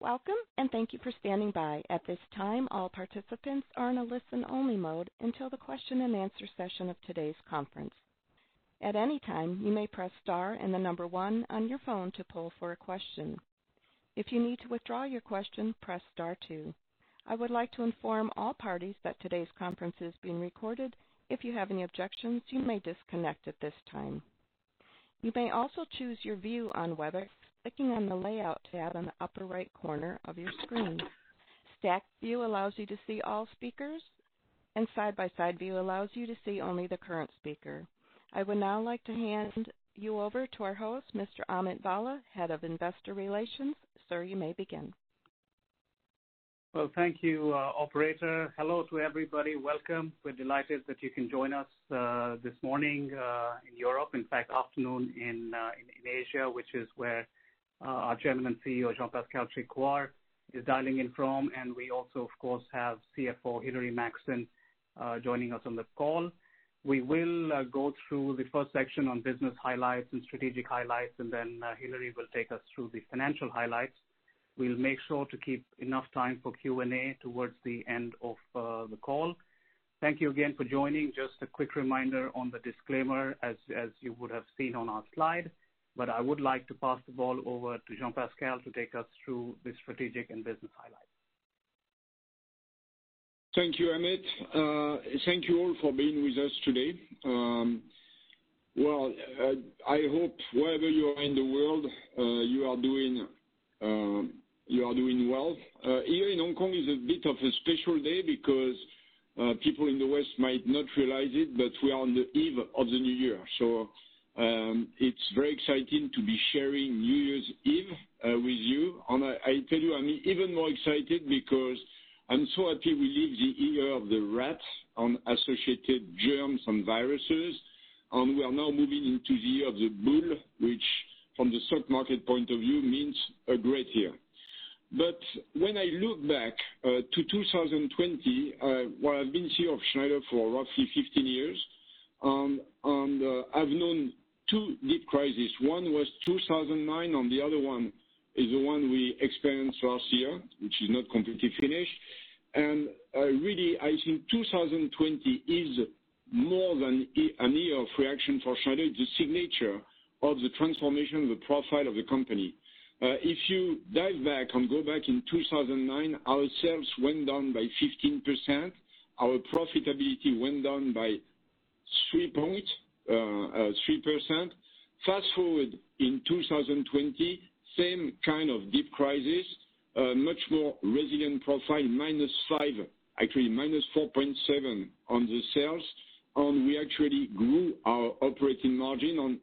Welcome and thank you for standing by, at this time all participants are in a listen only mode until the question-and-answer session of today's conference. At any time you may press star and the number one on your phone to pull for questions, if you need to withdraw your question please press start two. I would like to inform all parties that today's conference is being recorded, if you have any objections, you may disconnect at this time. You may also choose your view on whether picking on the layout to the upper right corner of your screen, stack view will allows you to see all speakers, and side-by-side view will allow you to see only the current speaker. I would now like to hand you over to our host, Mr. Amit Bhalla, Head of Investor Relations. Sir, you may begin. Well, thank you, operator. Hello to everybody. Welcome. We're delighted that you can join us this morning in Europe, in fact, afternoon in Asia, which is where our Chairman and CEO, Jean-Pascal Tricoire, is dialing in from. We also, of course, have CFO Hilary Maxson joining us on the call. We will go through the first section on business highlights and strategic highlights, and then Hilary will take us through the financial highlights. We'll make sure to keep enough time for Q&A towards the end of the call. Thank you again for joining. Just a quick reminder on the disclaimer, as you would have seen on our slide, but I would like to pass the ball over to Jean-Pascal to take us through the strategic and business highlights. Thank you, Amit. Thank you all for being with us today. Well, I hope wherever you are in the world, you are doing well. Here in Hong Kong, it's a bit of a special day because people in the West might not realize it, but we are on the eve of the New Year. It's very exciting to be sharing New Year's Eve with you. I tell you, I'm even more excited because I'm so happy we leave the year of the rat and associated germs and viruses, and we are now moving into the year of the bull, which from the stock market point of view means a great year. When I look back to 2020, while I've been CEO of Schneider for roughly 15 years, and I've known two deep crises. One was 2009, the other one is the one we experienced last year, which is not completely finished. Really, I think 2020 is more than a year of reaction for Schneider, the signature of the transformation of the profile of the company. If you dive back and go back in 2009, our sales went down by 15%. Our profitability went down by 3.3%. Fast-forward in 2020, same kind of deep crisis, much more resilient profile, -5%, actually -4.7% on the sales. We actually grew our operating margin,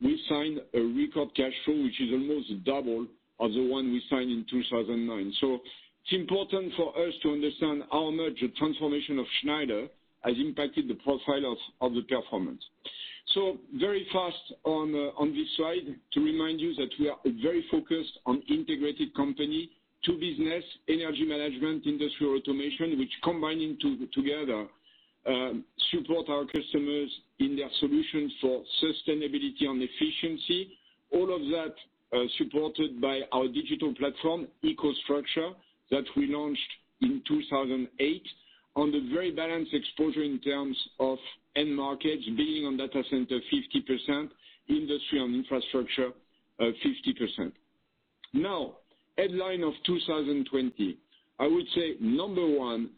we signed a record cash flow, which is almost double of the one we signed in 2009. It's important for us to understand how much the transformation of Schneider has impacted the profile of the performance. Very fast on this slide to remind you that we are very focused on integrated company, two business, energy management, industrial automation, which combining together support our customers in their solutions for sustainability and efficiency. All of that supported by our digital platform, EcoStruxure, that we launched in 2008 on the very balanced exposure in terms of end markets, being on data center 50%, industry and infrastructure, 50%. Headline of 2020. I would say, number one,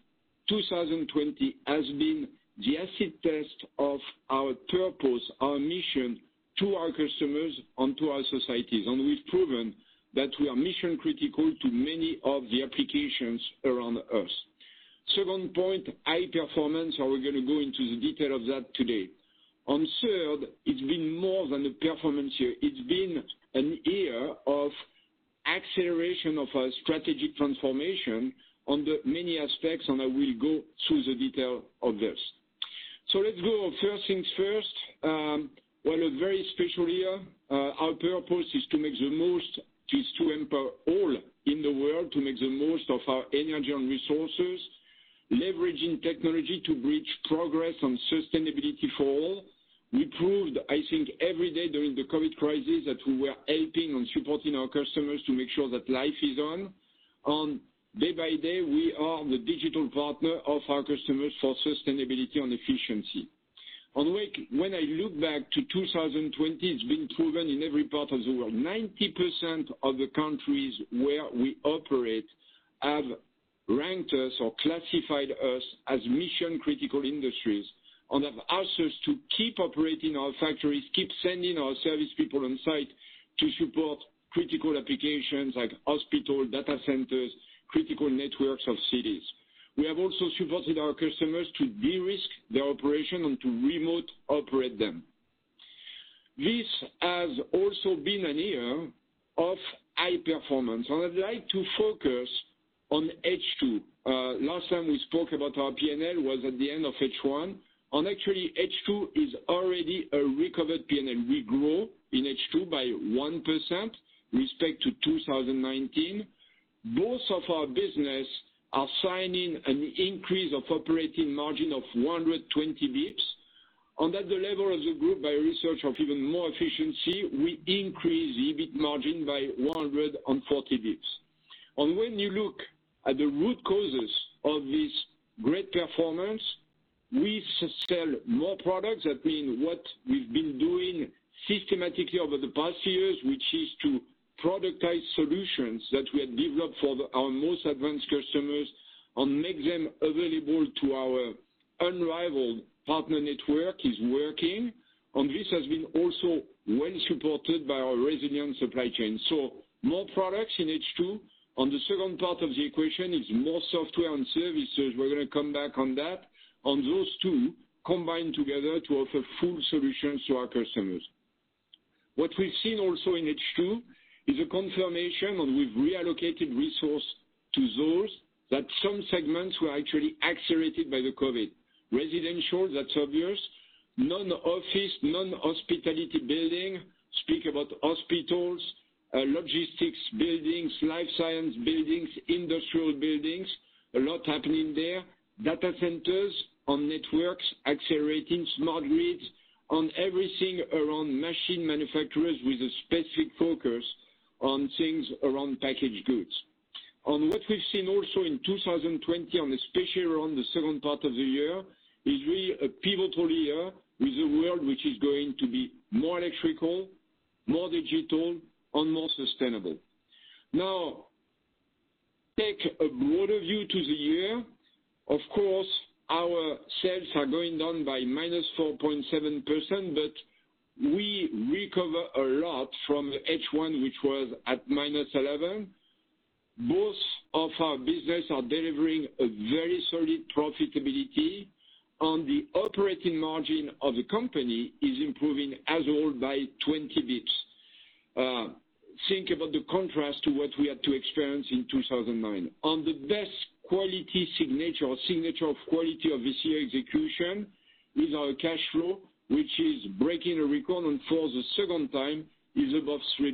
2020 has been the acid test of our purpose, our mission to our customers and to our societies. We've proven that we are mission-critical to many of the applications around us. Second point, high performance, we're going to go into the detail of that today. On third, it's been more than a performance year. It's been a year of acceleration of our strategic transformation on the many aspects, and I will go through the detail of this. Let's go first things first. Well, a very special year. Our purpose is to empower all in the world to make the most of our energy and resources, leveraging technology to bridge progress and sustainability for all. We proved, I think, every day during the COVID crisis, that we were helping and supporting our customers to make sure that life is on. Day by day, we are the digital partner of our customers for sustainability and efficiency. When I look back to 2020, it's been proven in every part of the world, 90% of the countries where we operate have ranked us or classified us as mission-critical industries and have asked us to keep operating our factories, keep sending our service people on site to support critical applications like hospital, data centers, critical networks of cities. We have also supported our customers to de-risk their operation and to remote operate them. This has also been a year of high performance. I'd like to focus on H2. Last time we spoke about our P&L was at the end of H1. Actually, H2 is already a recovered P&L. We grow in H2 by 1% respect to 2019. Both of our business are signing an increase of operating margin of 120 basis points. At the level of the group, by research of even more efficiency, we increase EBIT margin by 140 basis points. When you look at the root causes of this great performance, we sell more products. That mean what we've been doing systematically over the past years, which is to productize solutions that we have developed for our most advanced customers and make them available to our unrivaled partner network, is working. This has been also well supported by our resilient supply chain. More products in H2. The second part of the equation is more software and services. We're going to come back on that. Those two, combine together to offer full solutions to our customers. What we've seen also in H2 is a confirmation, and we've reallocated resource to those, that some segments were actually accelerated by the COVID. Residential, that's obvious. Non-office, non-hospitality building, speak about hospitals, logistics buildings, life science buildings, industrial buildings, a lot happening there. Data centers and networks accelerating, smart grids, on everything around machine manufacturers with a specific focus on things around packaged goods. What we've seen also in 2020, and especially around the second part of the year, is really a pivotal year with a world which is going to be more electrical, more digital, and more sustainable. Take a broader view to the year. Of course, our sales are going down by -4.7%, but we recover a lot from H1, which was at -11%. Both of our businesses are delivering a very solid profitability. The operating margin of the company is improving as well by 20 basis points. Think about the contrast to what we had to experience in 2009. The best quality signature or signature of quality of this year execution is our cash flow, which is breaking a record, and for the second time, is above 3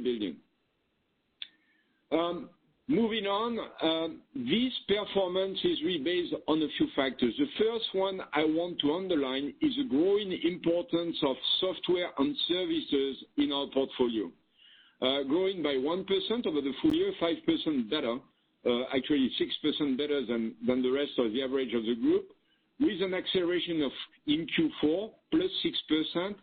billion. Moving on, this performance is really based on a few factors. The first one I want to underline is the growing importance of software and services in our portfolio. Growing by 1% over the full year, 5% better, actually 6% better than the rest of the average of the group. With an acceleration in Q4, +6%.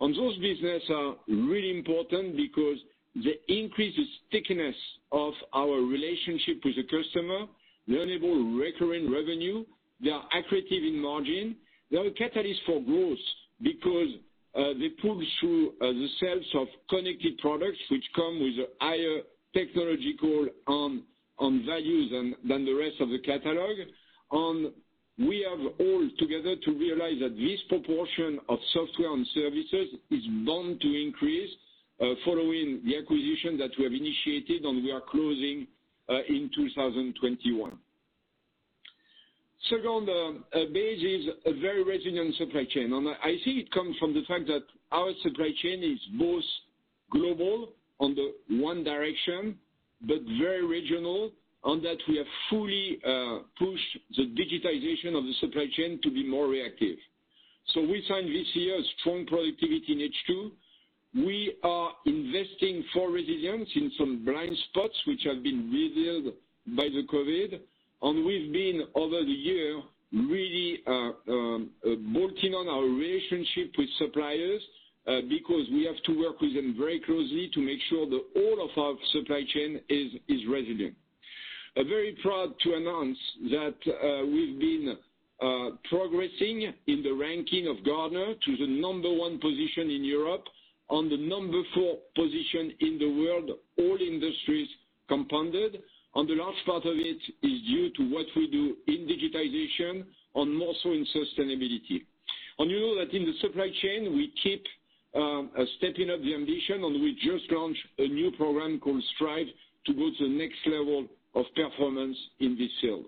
Those businesses are really important because they increase the stickiness of our relationship with the customer, they enable recurring revenue, they are accretive in margin. They are a catalyst for growth because they push through the sales of connected products, which come with a higher technological value than the rest of the catalog. We have all together to realize that this proportion of software and services is bound to increase following the acquisition that we have initiated, and we are closing in 2021. Second base is a very resilient supply chain. I see it come from the fact that our supply chain is both global on the one direction, but very regional, and that we have fully pushed the digitization of the supply chain to be more reactive. We signed this year a strong productivity in H2. We are investing for resilience in some blind spots, which have been revealed by the COVID. We've been, over the year, really bolting on our relationship with suppliers, because we have to work with them very closely to make sure that all of our supply chain is resilient. I'm very proud to announce that we've been progressing in the ranking of Gartner to the number one position in Europe and the number four position in the world, all industries compounded. The last part of it is due to what we do in digitization and also in sustainability. You know that in the supply chain, we keep stepping up the ambition, and we just launched a new program called STRIVE to go to the next level of performance in this field.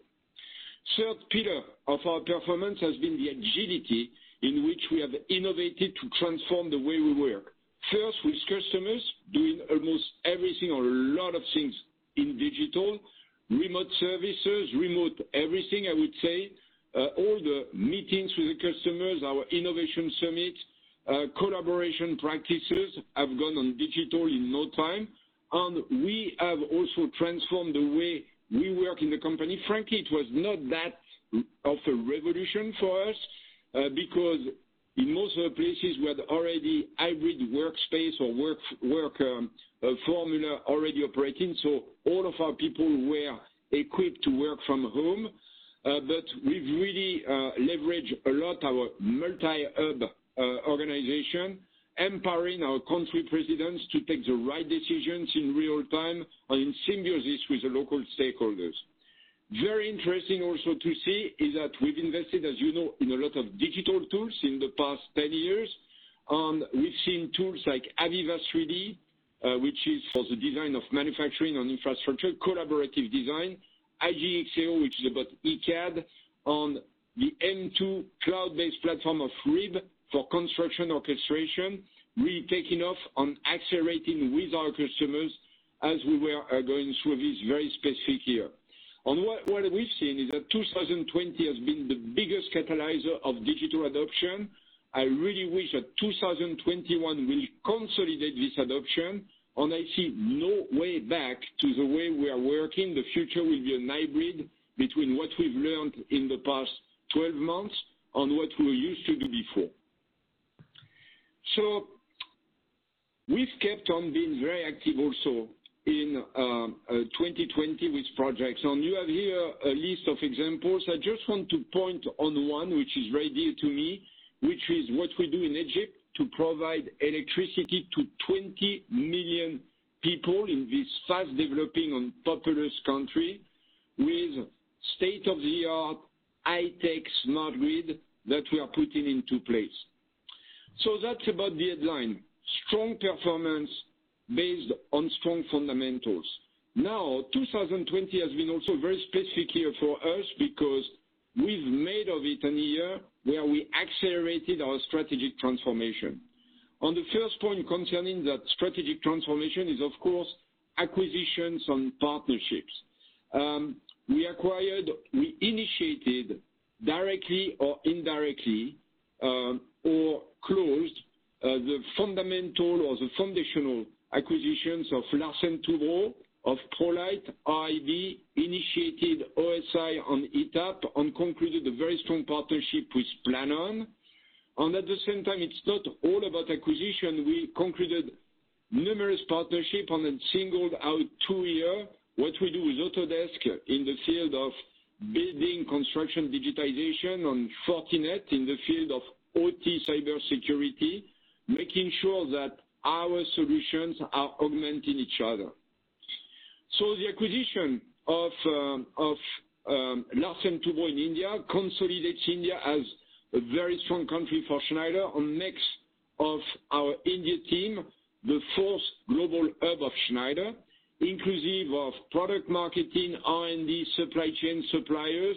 Third pillar of our performance has been the agility in which we have innovated to transform the way we work. First, with customers, doing almost everything or a lot of things in digital, remote services, remote everything, I would say. All the meetings with the customers, our innovation summit, collaboration practices, have gone on digital in no time. We have also transformed the way we work in the company. Frankly, it was not that of a revolution for us, because in most of the places we had already hybrid workspace or work formula already operating, so all of our people were equipped to work from home. We've really leveraged a lot our multi-hub organization, empowering our country presidents to take the right decisions in real time and in symbiosis with the local stakeholders. Very interesting also to see is that we've invested, as you know, in a lot of digital tools in the past 10 years, and we've seen tools like AVEVA E3D Design, which is for the design of manufacturing and infrastructure, collaborative design, IGE+XAO, which is about ECAD on the MTWO cloud-based platform of RIB for construction orchestration, really taking off and accelerating with our customers as we were going through this very specific year. What we've seen is that 2020 has been the biggest catalyzer of digital adoption. I really wish that 2021 will consolidate this adoption, and I see no way back to the way we are working. The future will be a hybrid between what we've learned in the past 12 months and what we used to do before. We've kept on being very active also in 2020 with projects, and you have here a list of examples. I just want to point on one, which is very dear to me, which is what we do in Egypt to provide electricity to 20 million people in this fast-developing and populous country with state-of-the-art, high-tech, smart grid that we are putting into place. That's about the headline. Strong performance based on strong fundamentals. 2020 has been also very specific year for us because we've made of it a year where we accelerated our strategic transformation. On the first point concerning that strategic transformation is, of course, acquisitions and partnerships. We initiated directly or indirectly, or closed the fundamental or the foundational acquisitions of Larsen & Toubro, of ProLeiT, RIB, initiated AVEVA on ETAP, and concluded a very strong partnership with Planon. At the same time, it's not all about acquisition. We concluded numerous partnership and then singled out two here. What we do with Autodesk in the field of building construction digitization, on Fortinet in the field of OT cybersecurity, making sure that our solutions are augmenting each other. The acquisition of Larsen & Toubro in India consolidates India as a very strong country for Schneider and makes of our India team the fourth global hub of Schneider, inclusive of product marketing, R&D, supply chain, suppliers,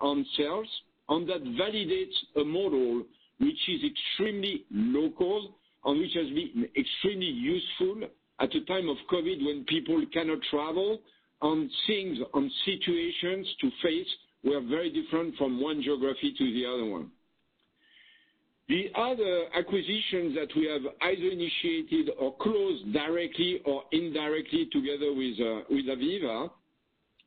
and sales. That validates a model which is extremely local and which has been extremely useful at a time of COVID when people cannot travel and things and situations to face were very different from one geography to the other one. The other acquisitions that we have either initiated or closed directly or indirectly together with AVEVA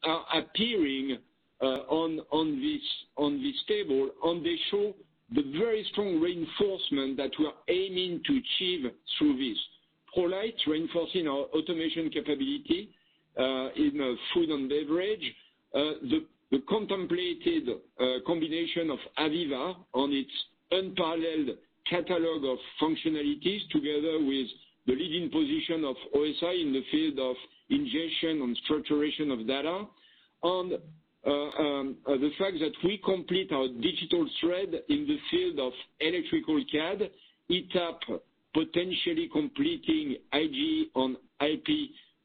are appearing on this table, and they show the very strong reinforcement that we are aiming to achieve through this. ProLeiT, reinforcing our automation capability in food and beverage. The contemplated combination of AVEVA on its unparalleled catalog of functionalities, together with the leading position of OSI in the field of ingestion and structuring of data. The fact that we complete our digital thread in the field of electrical CAD, ETAP potentially completing IGE+XAO on IP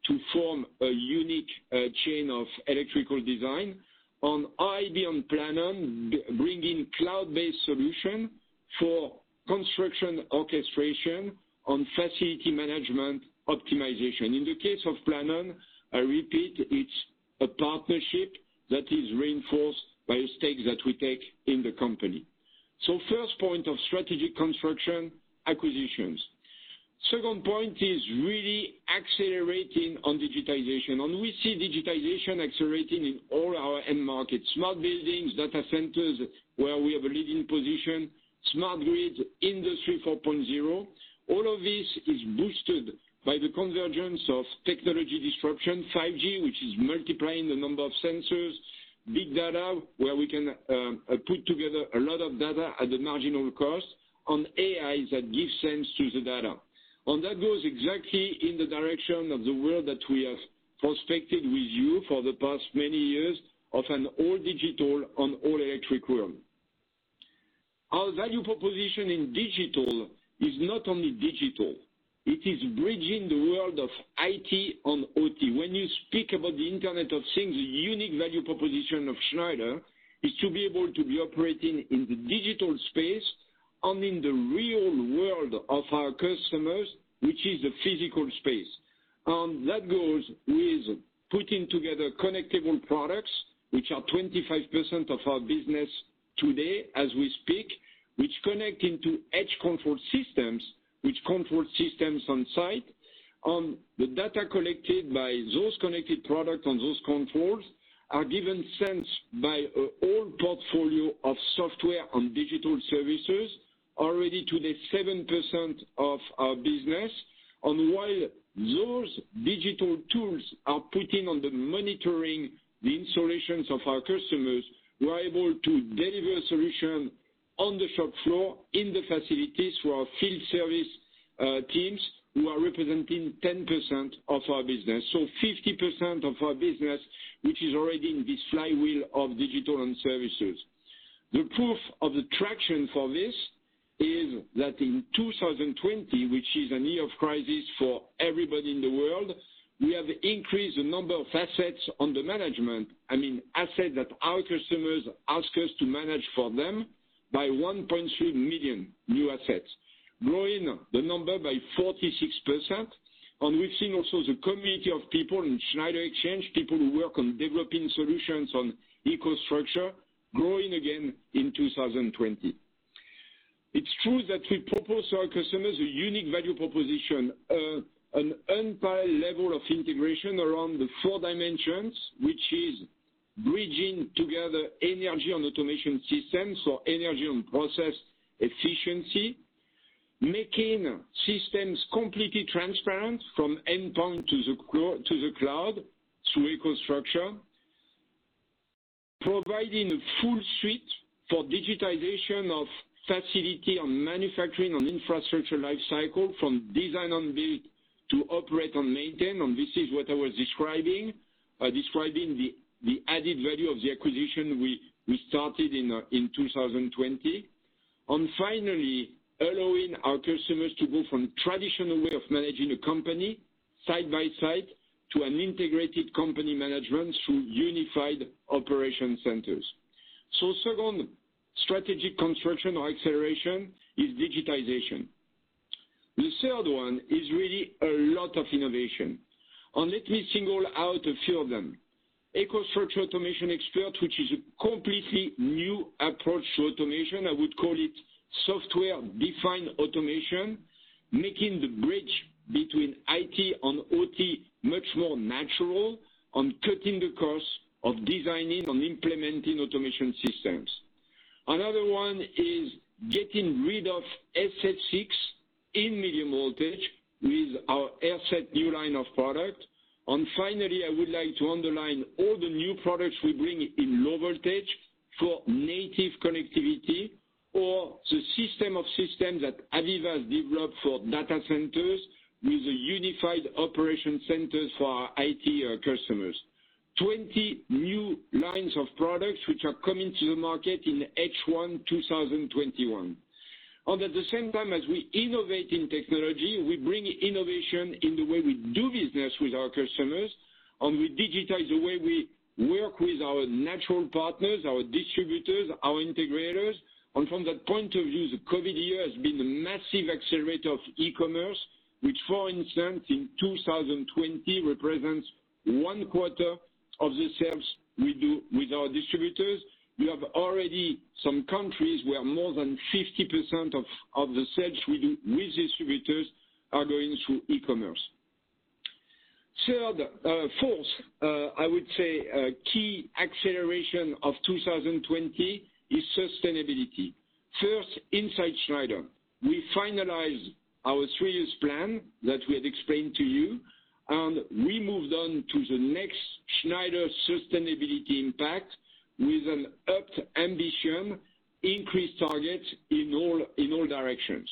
to form a unique chain of electrical design. On RIB, on Planon, bringing cloud-based solution for construction orchestration on facility management optimization. In the case of Planon, I repeat, it's a partnership that is reinforced by a stake that we take in the company. First point of strategic construction, acquisitions. Second point is really accelerating on digitization. We see digitization accelerating in all our end markets, smart buildings, data centers, where we have a leading position, smart grid, Industry 4.0. All of this is boosted by the convergence of technology disruption, 5G, which is multiplying the number of sensors, big data, where we can put together a lot of data at the marginal cost, and AI that gives sense to the data. That goes exactly in the direction of the world that we have prospected with you for the past many years of an all digital and all electric world. Our value proposition in digital is not only digital, it is bridging the world of IT and OT. When you speak about the Internet of Things, the unique value proposition of Schneider is to be able to be operating in the digital space and in the real world of our customers, which is the physical space. That goes with putting together connectable products, which are 25% of our business today as we speak, which connect into edge control systems, which control systems on site, and the data collected by those connected products and those controls are given sense by our portfolio of software and digital services, already today, 7% of our business. While those digital tools are putting on the monitoring the installations of our customers, we are able to deliver solution on the shop floor, in the facilities for our field service teams, who are representing 10% of our business. 50% of our business, which is already in this flywheel of digital and services. The proof of the traction for this is that in 2020, which is a year of crisis for everybody in the world, we have increased the number of assets under management. Assets that our customers ask us to manage for them, by 1.3 million new assets, growing the number by 46%. We've seen also the community of people in Schneider Exchange, people who work on developing solutions on EcoStruxure, growing again in 2020. It's true that we propose to our customers a unique value proposition, an unparalleled level of integration around the four dimensions, which is bridging together energy and automation systems, so energy and process efficiency. Making systems completely transparent from endpoint to the cloud, through EcoStruxure. Providing a full suite for digitization of facility and manufacturing and infrastructure life cycle from design and build to operate and maintain, and this is what I was describing the added value of the acquisition we started in 2020. Finally, allowing our customers to go from traditional way of managing a company, side by side, to an integrated company management through unified operation centers. Second strategic construction or acceleration is digitization. The third one is really a lot of innovation, and let me single out a few of them. EcoStruxure Automation Expert, which is a completely new approach to automation. I would call it software-defined automation, making the bridge between IT and OT much more natural and cutting the cost of designing and implementing automation systems. Another one is getting rid of SF6 in medium voltage with our AirSeT new line of product. Finally, I would like to underline all the new products we bring in low voltage for native connectivity or the system of systems that AVEVA has developed for data centers with the unified operation centers for our IT customers. 20 new lines of products which are coming to the market in H1 2021. At the same time as we innovate in technology, we bring innovation in the way we do business with our customers, and we digitize the way we work with our natural partners, our distributors, our integrators. From that point of view, the COVID year has been a massive accelerator of e-commerce, which, for instance, in 2020, represents one quarter of the sales we do with our distributors. We have already some countries where more than 50% of the sales we do with distributors are going through e-commerce. Fourth, I would say key acceleration of 2020 is sustainability. First, inside Schneider, we finalized our three years plan that we had explained to you, and we moved on to the next Schneider Sustainability Impact with an upped ambition, increased target in all directions.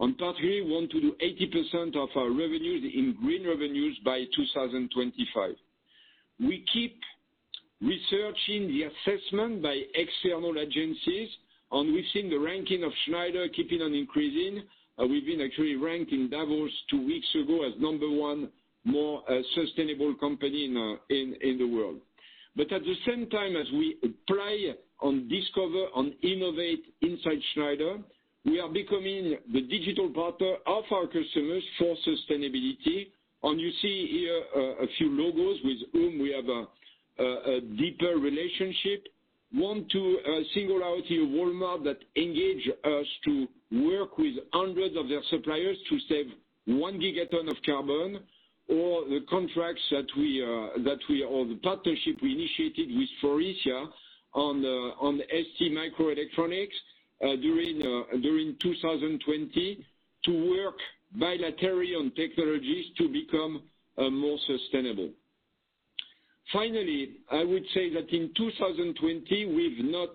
On part three, we want to do 80% of our revenues in green revenues by 2025. We keep researching the assessment by external agencies, we've seen the ranking of Schneider keeping on increasing. We've been actually ranked in Davos two weeks ago as number one more sustainable company in the world. At the same time as we apply and discover and innovate inside Schneider, we are becoming the digital partner of our customers for sustainability. You see here a few logos with whom we have a deeper relationship. Want to single out here Walmart that engage us to work with hundreds of their suppliers to save 1 gigaton of carbon or the contracts or the partnership we initiated with Faurecia on STMicroelectronics during 2020 to work bilaterally on technologies to become more sustainable. Finally, I would say that in 2020, we've not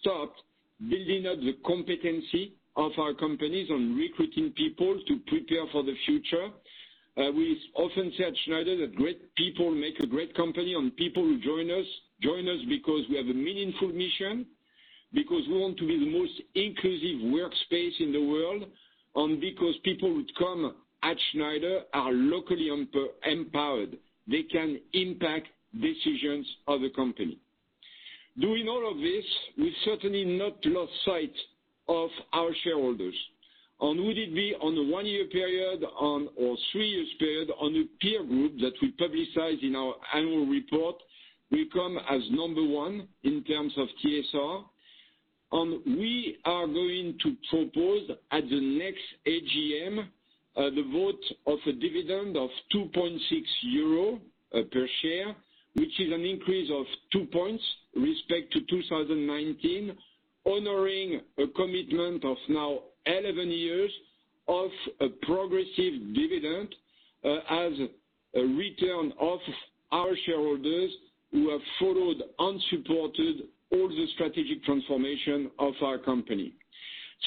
stopped building up the competency of our companies and recruiting people to prepare for the future. We often say at Schneider that great people make a great company, and people who join us, join us because we have a meaningful mission, because we want to be the most inclusive workspace in the world, and because people who come at Schneider are locally empowered. They can impact decisions of the company. Doing all of this, we certainly not lost sight of our shareholders. Would it be on a one-year period or three years period on a peer group that we publicize in our annual report, we come as number one in terms of TSR. We are going to propose at the next AGM, the vote of a dividend of 2.6 euro per share, which is an increase of two points respect to 2019, honoring a commitment of now 11 years of a progressive dividend, as a return of our shareholders who have followed and supported all the strategic transformation of our company.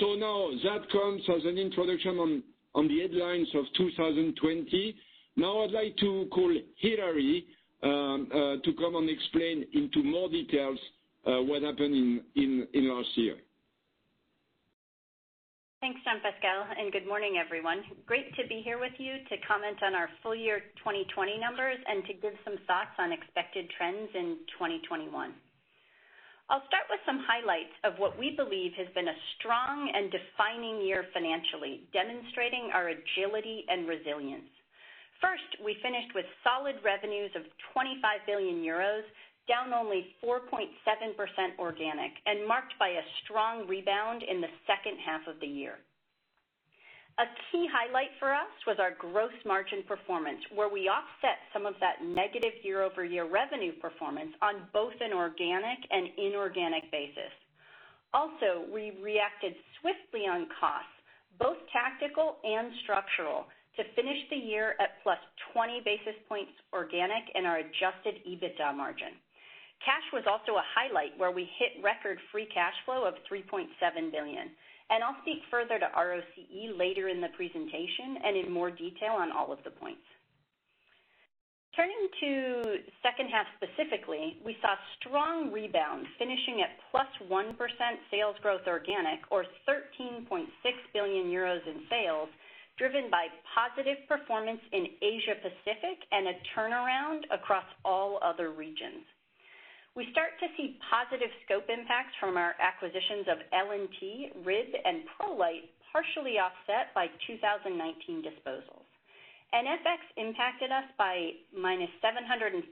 Now that comes as an introduction on the headlines of 2020. Now I'd like to call Hilary to come and explain into more details what happened in last year. Thanks, Jean-Pascal, and good morning, everyone. Great to be here with you to comment on our full year 2020 numbers and to give some thoughts on expected trends in 2021. I'll start with some highlights of what we believe has been a strong and defining year financially, demonstrating our agility and resilience. First, we finished with solid revenues of 25 billion euros, down only 4.7% organic, and marked by a strong rebound in the second half of the year. A key highlight for us was our gross margin performance, where we offset some of that negative year-over-year revenue performance on both an organic and inorganic basis. We reacted swiftly on costs, both tactical and structural, to finish the year at plus 20 basis points organic in our adjusted EBITDA margin. Cash was also a highlight, where we hit record free cash flow of 3.7 billion. I'll speak further to ROCE later in the presentation and in more detail on all of the points. Turning to second half specifically, we saw strong rebound, finishing at +1% sales growth organic, or 13.6 billion euros in sales, driven by positive performance in Asia Pacific and a turnaround across all other regions. We start to see positive scope impacts from our acquisitions of LNT, RIB, and ProLeiT, partially offset by 2019 disposals. FX impacted us by -741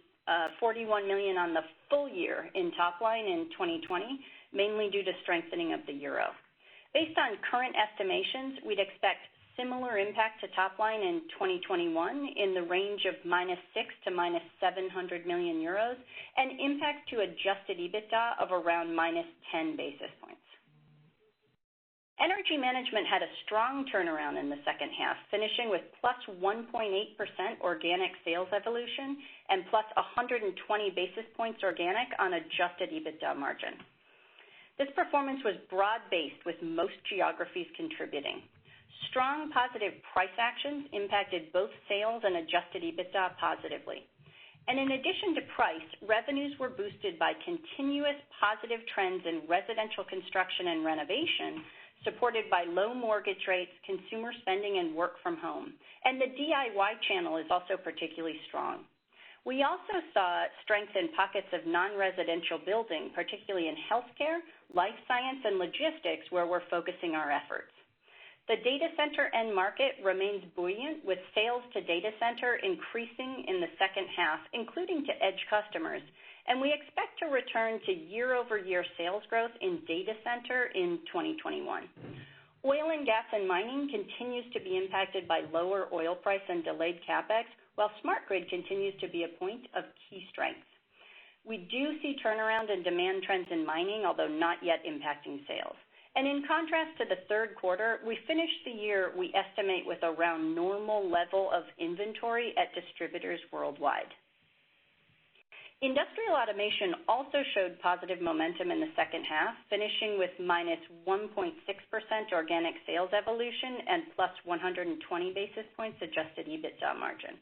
million on the full year in top line in 2020, mainly due to strengthening of the euro. Based on current estimations, we'd expect similar impact to top line in 2021 in the range ofEUR -600 million-EUR -700 million, an impact to adjusted EBITDA of around -10 basis points. Energy Management had a strong turnaround in the second half, finishing with plus 1.8% organic sales evolution and plus 120 basis points organic on Adjusted EBITDA margin. This performance was broad-based, with most geographies contributing. Strong positive price actions impacted both sales and Adjusted EBITDA positively. In addition to price, revenues were boosted by continuous positive trends in residential construction and renovation, supported by low mortgage rates, consumer spending, and work from home. The DIY channel is also particularly strong. We also saw strength in pockets of non-residential building, particularly in healthcare, life science, and logistics, where we're focusing our efforts. The data center end market remains buoyant with sales to data center increasing in the second half, including to Edge customers, and we expect to return to year-over-year sales growth in data center in 2021. Oil and gas and mining continues to be impacted by lower oil price and delayed CapEx, while smart grid continues to be a point of key strength. We do see turnaround in demand trends in mining, although not yet impacting sales. In contrast to the third quarter, we finished the year, we estimate, with around normal level of inventory at distributors worldwide. Industrial Automation also showed positive momentum in the second half, finishing with -1.6% organic sales evolution and +120 basis points adjusted EBITDA margin.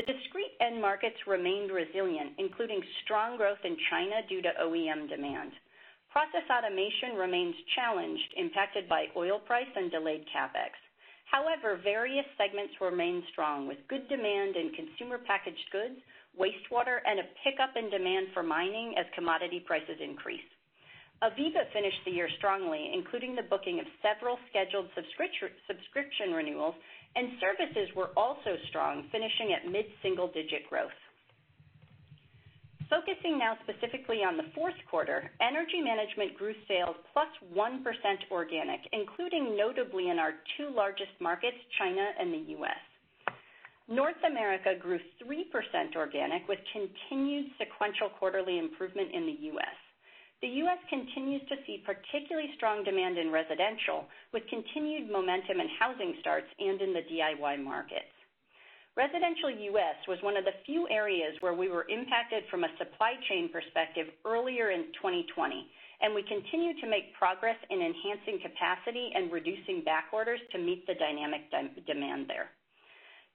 The discrete end markets remained resilient, including strong growth in China due to OEM demand. Process automation remains challenged, impacted by oil price and delayed CapEx. However, various segments remained strong, with good demand in consumer packaged goods, wastewater, and a pickup in demand for mining as commodity prices increase. AVEVA finished the year strongly, including the booking of several scheduled subscription renewals, and services were also strong, finishing at mid-single-digit growth. Focusing now specifically on the fourth quarter, Energy Management grew sales plus 1% organic, including notably in our two largest markets, China and the U.S. North America grew 3% organic, with continued sequential quarterly improvement in the U.S. The U.S. continues to see particularly strong demand in residential, with continued momentum in housing starts and in the DIY markets. Residential U.S. was one of the few areas where we were impacted from a supply chain perspective earlier in 2020, and we continue to make progress in enhancing capacity and reducing back orders to meet the dynamic demand there.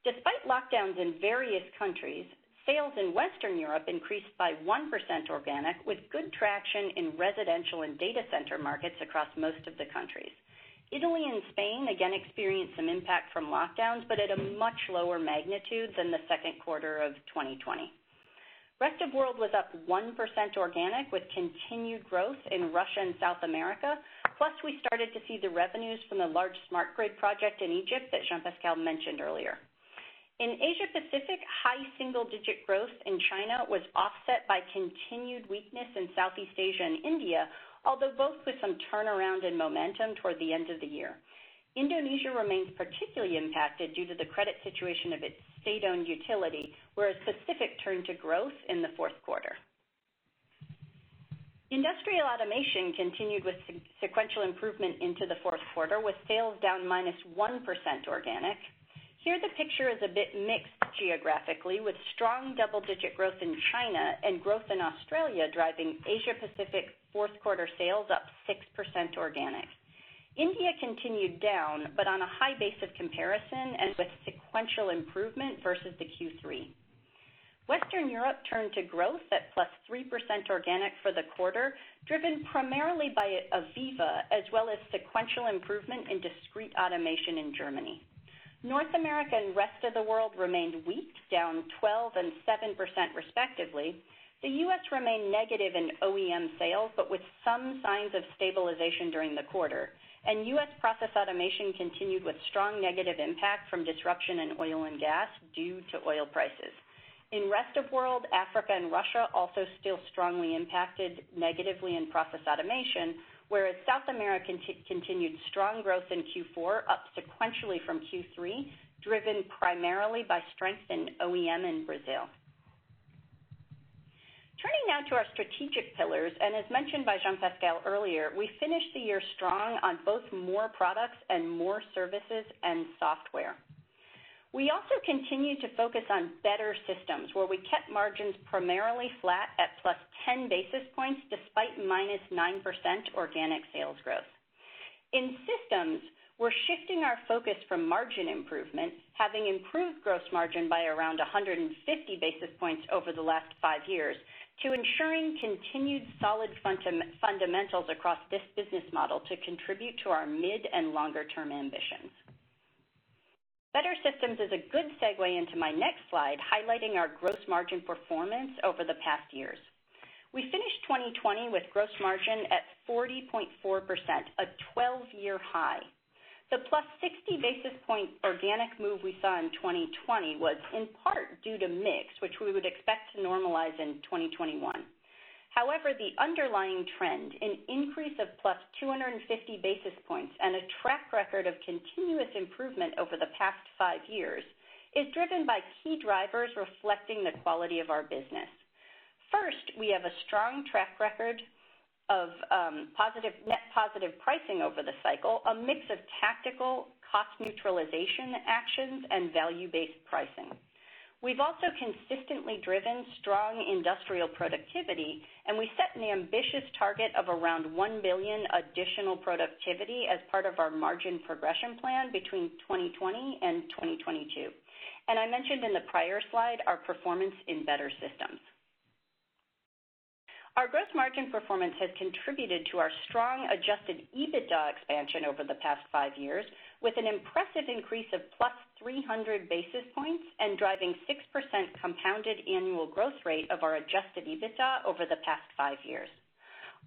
Despite lockdowns in various countries, sales in Western Europe increased by 1% organic, with good traction in residential and data center markets across most of the countries. Italy and Spain again experienced some impact from lockdowns, at a much lower magnitude than the second quarter of 2020. Rest of world was up 1% organic, with continued growth in Russia and South America. We started to see the revenues from the large smart grid project in Egypt that Jean-Pascal mentioned earlier. In Asia-Pacific, high single-digit growth in China was offset by continued weakness in Southeast Asia and India, although both with some turnaround and momentum toward the end of the year. Indonesia remains particularly impacted due to the credit situation of its state-owned utility, whereas Pacific turned to growth in the fourth quarter. Industrial Automation continued with sequential improvement into the fourth quarter, with sales down -1% organic. Here, the picture is a bit mixed geographically, with strong double-digit growth in China and growth in Australia driving Asia-Pacific fourth quarter sales up 6% organic. India continued down, on a high base of comparison and with sequential improvement versus the Q3. Western Europe turned to growth at +3% organic for the quarter, driven primarily by AVEVA, as well as sequential improvement in discrete automation in Germany. North America and rest of the world remained weak, down 12% and 7% respectively. The U.S. remained negative in OEM sales, but with some signs of stabilization during the quarter, and U.S. process automation continued with strong negative impact from disruption in oil and gas due to oil prices. In rest of world, Africa and Russia also still strongly impacted negatively in process automation, whereas South America continued strong growth in Q4, up sequentially from Q3, driven primarily by strength in OEM in Brazil. Turning now to our strategic pillars, and as mentioned by Jean-Pascal earlier, we finished the year strong on both more products and more services and software. We also continued to focus on better systems, where we kept margins primarily flat at plus 10 basis points despite -9% organic sales growth. In systems, we're shifting our focus from margin improvement, having improved gross margin by around 150 basis points over the last five years, to ensuring continued solid fundamentals across this business model to contribute to our mid and longer-term ambitions. Better systems is a good segue into my next slide, highlighting our gross margin performance over the past years. We finished 2020 with gross margin at 40.4%, a 12-year high. The plus 60 basis point organic move we saw in 2020 was in part due to mix, which we would expect to normalize in 2021. However, the underlying trend, an increase of +250 basis points and a track record of continuous improvement over the past five years, is driven by key drivers reflecting the quality of our business. First, we have a strong track record of net positive pricing over the cycle, a mix of tactical cost neutralization actions, and value-based pricing. We've also consistently driven strong industrial productivity. We set an ambitious target of around 1 billion additional productivity as part of our margin progression plan between 2020 and 2022. I mentioned in the prior slide our performance in EcoStruxure. Our gross margin performance has contributed to our strong adjusted EBITDA expansion over the past five years, with an impressive increase of +300 basis points and driving 6% compounded annual growth rate of our adjusted EBITDA over the past five years.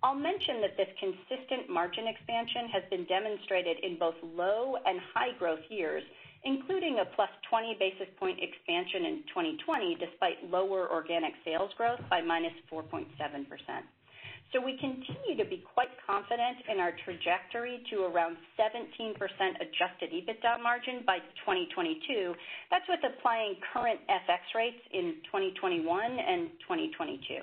I'll mention that this consistent margin expansion has been demonstrated in both low and high growth years, including a plus 20 basis point expansion in 2020, despite lower organic sales growth by -4.7%. We continue to be quite confident in our trajectory to around 17% adjusted EBITDA margin by 2022. That's with applying current FX rates in 2021 and 2022.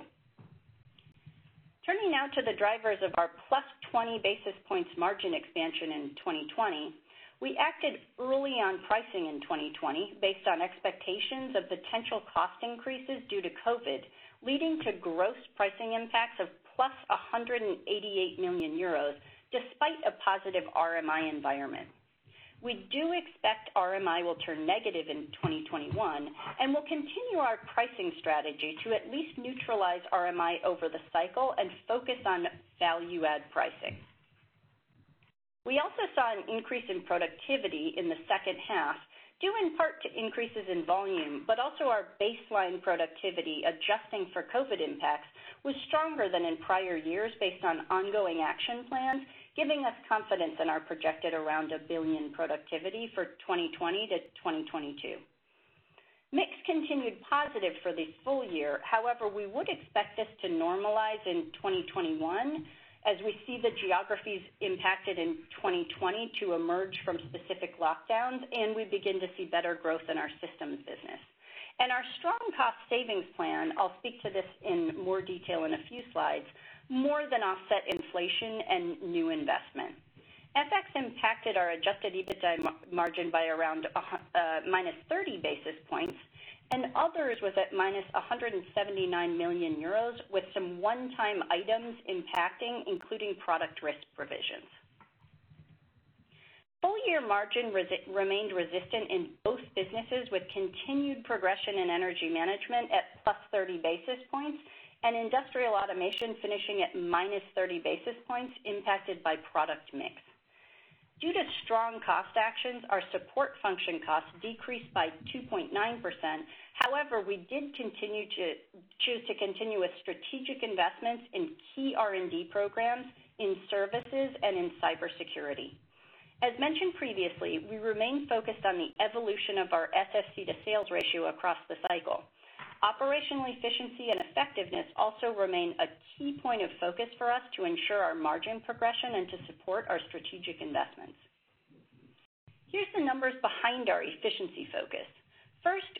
Turning now to the drivers of our plus 20 basis points margin expansion in 2020, we acted early on pricing in 2020 based on expectations of potential cost increases due to COVID, leading to gross pricing impacts of plus 188 million euros, despite a positive RMI environment. We do expect RMI will turn negative in 2021, and we'll continue our pricing strategy to at least neutralize RMI over the cycle and focus on value-add pricing. We also saw an increase in productivity in the second half, due in part to increases in volume, but also our baseline productivity, adjusting for COVID impacts, was stronger than in prior years based on ongoing action plans, giving us confidence in our projected around 1 billion productivity for 2020-2022. Mix continued positive for the full year. However, we would expect this to normalize in 2021 as we see the geographies impacted in 2020 to emerge from specific lockdowns and we begin to see better growth in our systems business. Our strong cost savings plan, I'll speak to this in more detail in a few slides, more than offset inflation and new investment. FX impacted our Adjusted EBITDA margin by around -30 basis points, and others was at -179 million euros, with some one-time items impacting, including product risk provisions. Full year margin remained resistant in both businesses, with continued progression in energy management at plus 30 basis points and industrial automation finishing at -30 basis points, impacted by product mix. We did choose to continue with strategic investments in key R&D programs, in services, and in cybersecurity. As mentioned previously, we remain focused on the evolution of our SFC to sales ratio across the cycle. Operational efficiency and effectiveness also remain a key point of focus for us to ensure our margin progression and to support our strategic investments. Here's the numbers behind our efficiency focus.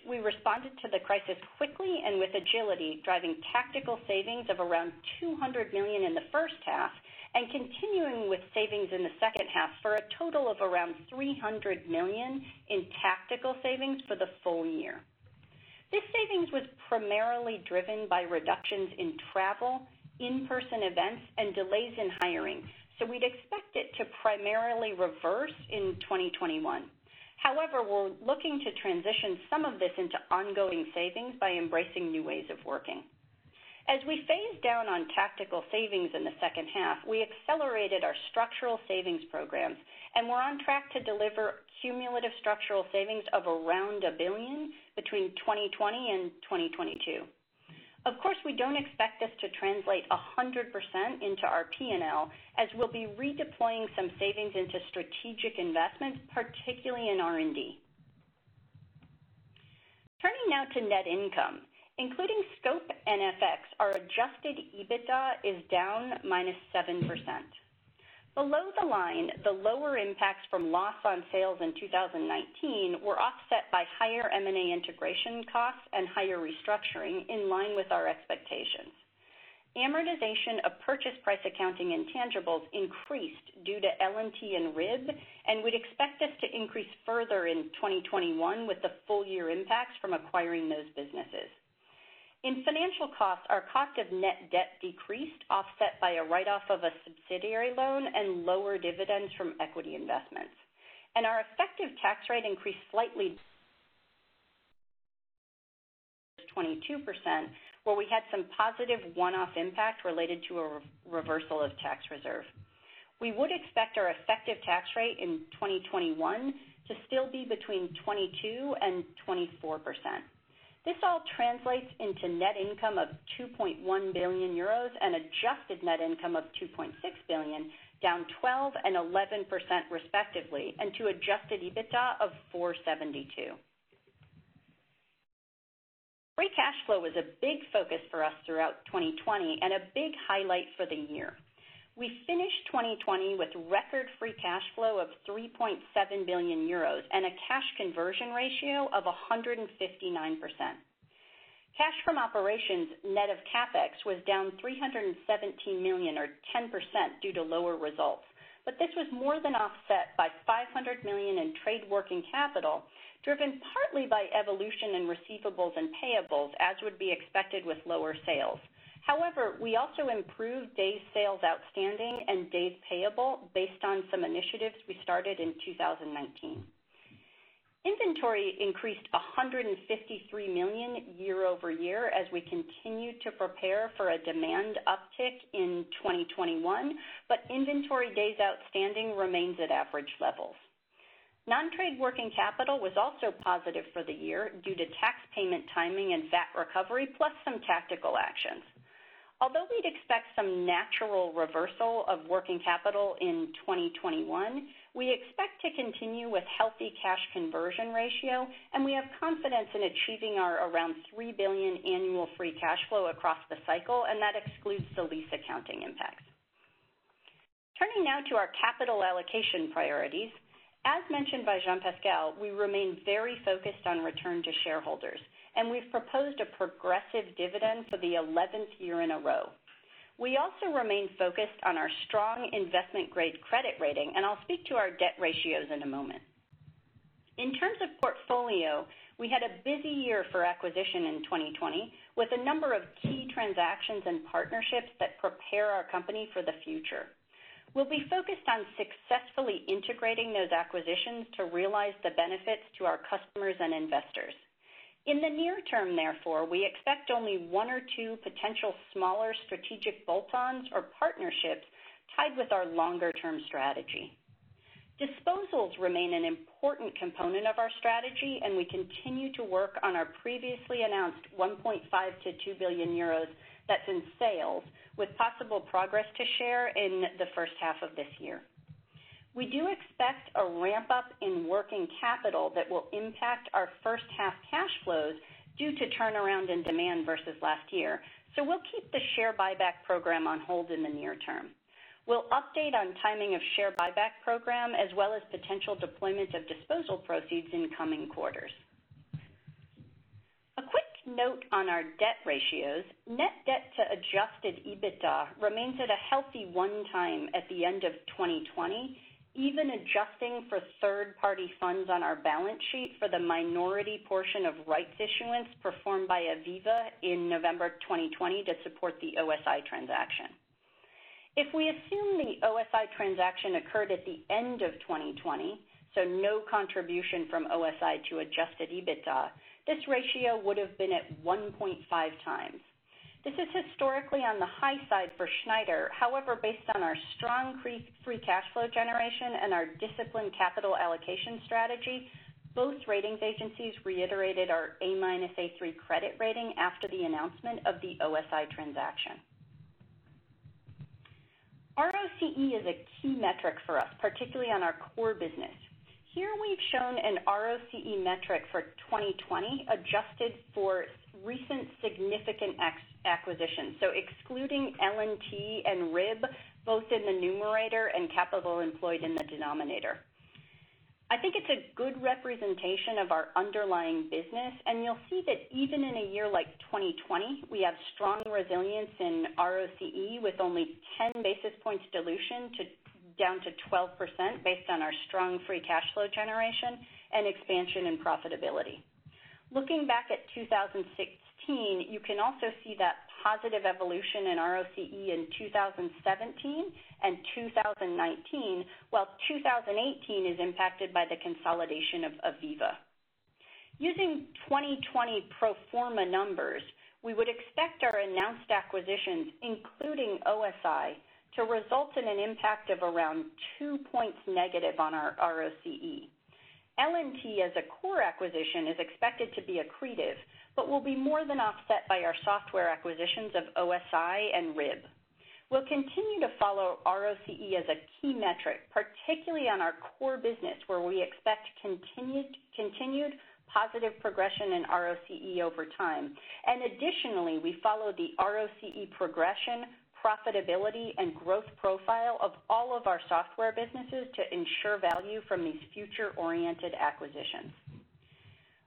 We responded to the crisis quickly and with agility, driving tactical savings of around 200 million in the first half and continuing with savings in the second half for a total of around 300 million in tactical savings for the full year. This savings was primarily driven by reductions in travel, in-person events, and delays in hiring, so we'd expect it to primarily reverse in 2021. However, we're looking to transition some of this into ongoing savings by embracing new ways of working. As we phase down on tactical savings in the second half, we accelerated our structural savings programs, and we're on track to deliver cumulative structural savings of around 1 billion between 2020 and 2022. Of course, we don't expect this to translate 100% into our P&L, as we'll be redeploying some savings into strategic investments, particularly in R&D. Turning now to net income. Including scope and FX, our adjusted EBITDA is down -7%. Below the line, the lower impacts from loss on sales in 2019 were offset by higher M&A integration costs and higher restructuring in line with our expectations. Amortization of purchase price accounting intangibles increased due to LNT and RIB, and we'd expect this to increase further in 2021 with the full year impacts from acquiring those businesses. In financial costs, our cost of net debt decreased, offset by a write-off of a subsidiary loan and lower dividends from equity investments. Our effective tax rate increased slightly to 22%, where we had some positive one-off impact related to a reversal of tax reserve. We would expect our effective tax rate in 2021 to still be between 22% and 24%. This all translates into net income of 2.1 billion euros and adjusted net income of 2.6 billion, down 12% and 11% respectively, and to adjusted EBITDA of 4.72 billion. Free cash flow was a big focus for us throughout 2020, and a big highlight for the year. We finished 2020 with record free cash flow of 3.7 billion euros and a cash conversion ratio of 159%. Cash from operations, net of CapEx, was down 317 million or 10% due to lower results. This was more than offset by 500 million in trade working capital, driven partly by evolution in receivables and payables, as would be expected with lower sales. However, we also improved days sales outstanding and days payable based on some initiatives we started in 2019. Inventory increased 153 million year-over-year as we continued to prepare for a demand uptick in 2021, inventory days outstanding remains at average levels. Nontrade working capital was also positive for the year due to tax payment timing and VAT recovery, plus some tactical actions. Although we'd expect some natural reversal of working capital in 2021, we expect to continue with healthy cash conversion ratio, we have confidence in achieving our around 3 billion annual free cash flow across the cycle, that excludes the lease accounting impacts. Turning now to our capital allocation priorities. As mentioned by Jean-Pascal, we remain very focused on return to shareholders, we've proposed a progressive dividend for the 11th year in a row. We also remain focused on our strong investment-grade credit rating, I'll speak to our debt ratios in a moment. In terms of portfolio, we had a busy year for acquisition in 2020, with a number of key transactions and partnerships that prepare our company for the future. We'll be focused on successfully integrating those acquisitions to realize the benefits to our customers and investors. In the near term, therefore, we expect only one or two potential smaller strategic bolt-ons or partnerships tied with our longer-term strategy. Disposals remain an important component of our strategy, and we continue to work on our previously announced 1.5 billion-2 billion euros that's in sales, with possible progress to share in the first half of this year. We do expect a ramp-up in working capital that will impact our first half cash flows due to turnaround in demand versus last year. We'll keep the share buyback program on hold in the near term. We'll update on timing of share buyback program, as well as potential deployment of disposal proceeds in coming quarters. A quick note on our debt ratios. Net debt to Adjusted EBITDA remains at a healthy one time at the end of 2020, even adjusting for third-party funds on our balance sheet for the minority portion of rights issuance performed by AVEVA in November 2020 to support the OSI transaction. If we assume the OSI transaction occurred at the end of 2020, so no contribution from OSI to Adjusted EBITDA, this ratio would have been at 1.5 times. This is historically on the high side for Schneider. However, based on our strong free cash flow generation and our disciplined capital allocation strategy, both ratings agencies reiterated our A-, A3 credit rating after the announcement of the OSI transaction. ROCE is a key metric for us, particularly on our core business. Here, we've shown an ROCE metric for 2020, adjusted for recent significant acquisitions, so excluding LNT and RIB, both in the numerator and capital employed in the denominator. I think it's a good representation of our underlying business, and you'll see that even in a year like 2020, we have strong resilience in ROCE with only 10 basis points dilution down to 12%, based on our strong free cash flow generation and expansion and profitability. Looking back at 2016, you can also see that positive evolution in ROCE in 2017 and 2019, while 2018 is impacted by the consolidation of AVEVA. Using 2020 pro forma numbers, we would expect our announced acquisitions, including OSI, to result in an impact of around two points negative on our ROCE. LNT, as a core acquisition, is expected to be accretive, but will be more than offset by our software acquisitions of OSI and RIB. We'll continue to follow ROCE as a key metric, particularly on our core business, where we expect continued positive progression in ROCE over time. Additionally, we follow the ROCE progression, profitability, and growth profile of all of our software businesses to ensure value from these future-oriented acquisitions.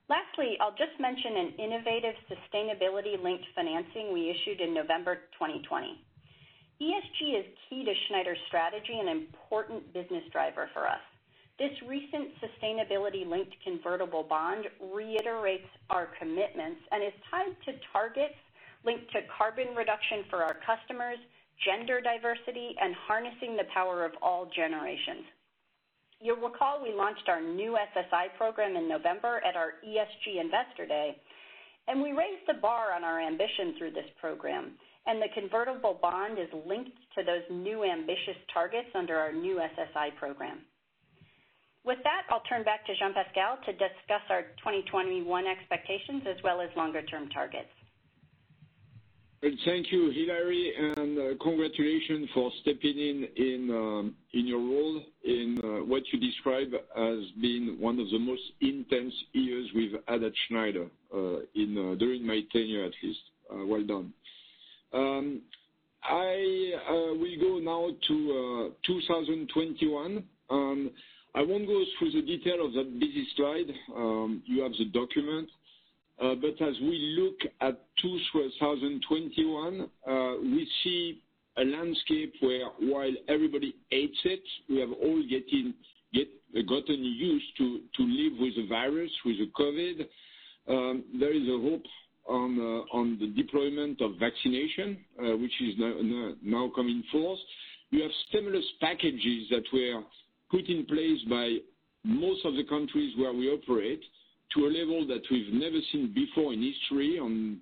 Lastly, I'll just mention an innovative sustainability-linked financing we issued in November 2020. ESG is key to Schneider's strategy and an important business driver for us. This recent sustainability-linked convertible bond reiterates our commitments and is tied to targets linked to carbon reduction for our customers, gender diversity, and harnessing the power of all generations. You'll recall we launched our new SSI program in November at our ESG Investor Day, and we raised the bar on our ambition through this program, and the convertible bond is linked to those new ambitious targets under our new SSI program. With that, I'll turn back to Jean-Pascal to discuss our 2021 expectations as well as longer-term targets. Thank you, Hilary, and congratulations for stepping in in your role in what you describe as being one of the most intense years we've had at Schneider, during my tenure at least. Well done. I will go now to 2021. I won't go through the detail of that busy slide. You have the document. As we look at 2021, we see a landscape where while everybody hates it, we have all gotten used to living with the virus, with the COVID. There is a hope on the deployment of vaccination, which is now coming forth. We have stimulus packages that were put in place by most of the countries where we operate to a level that we've never seen before in history, and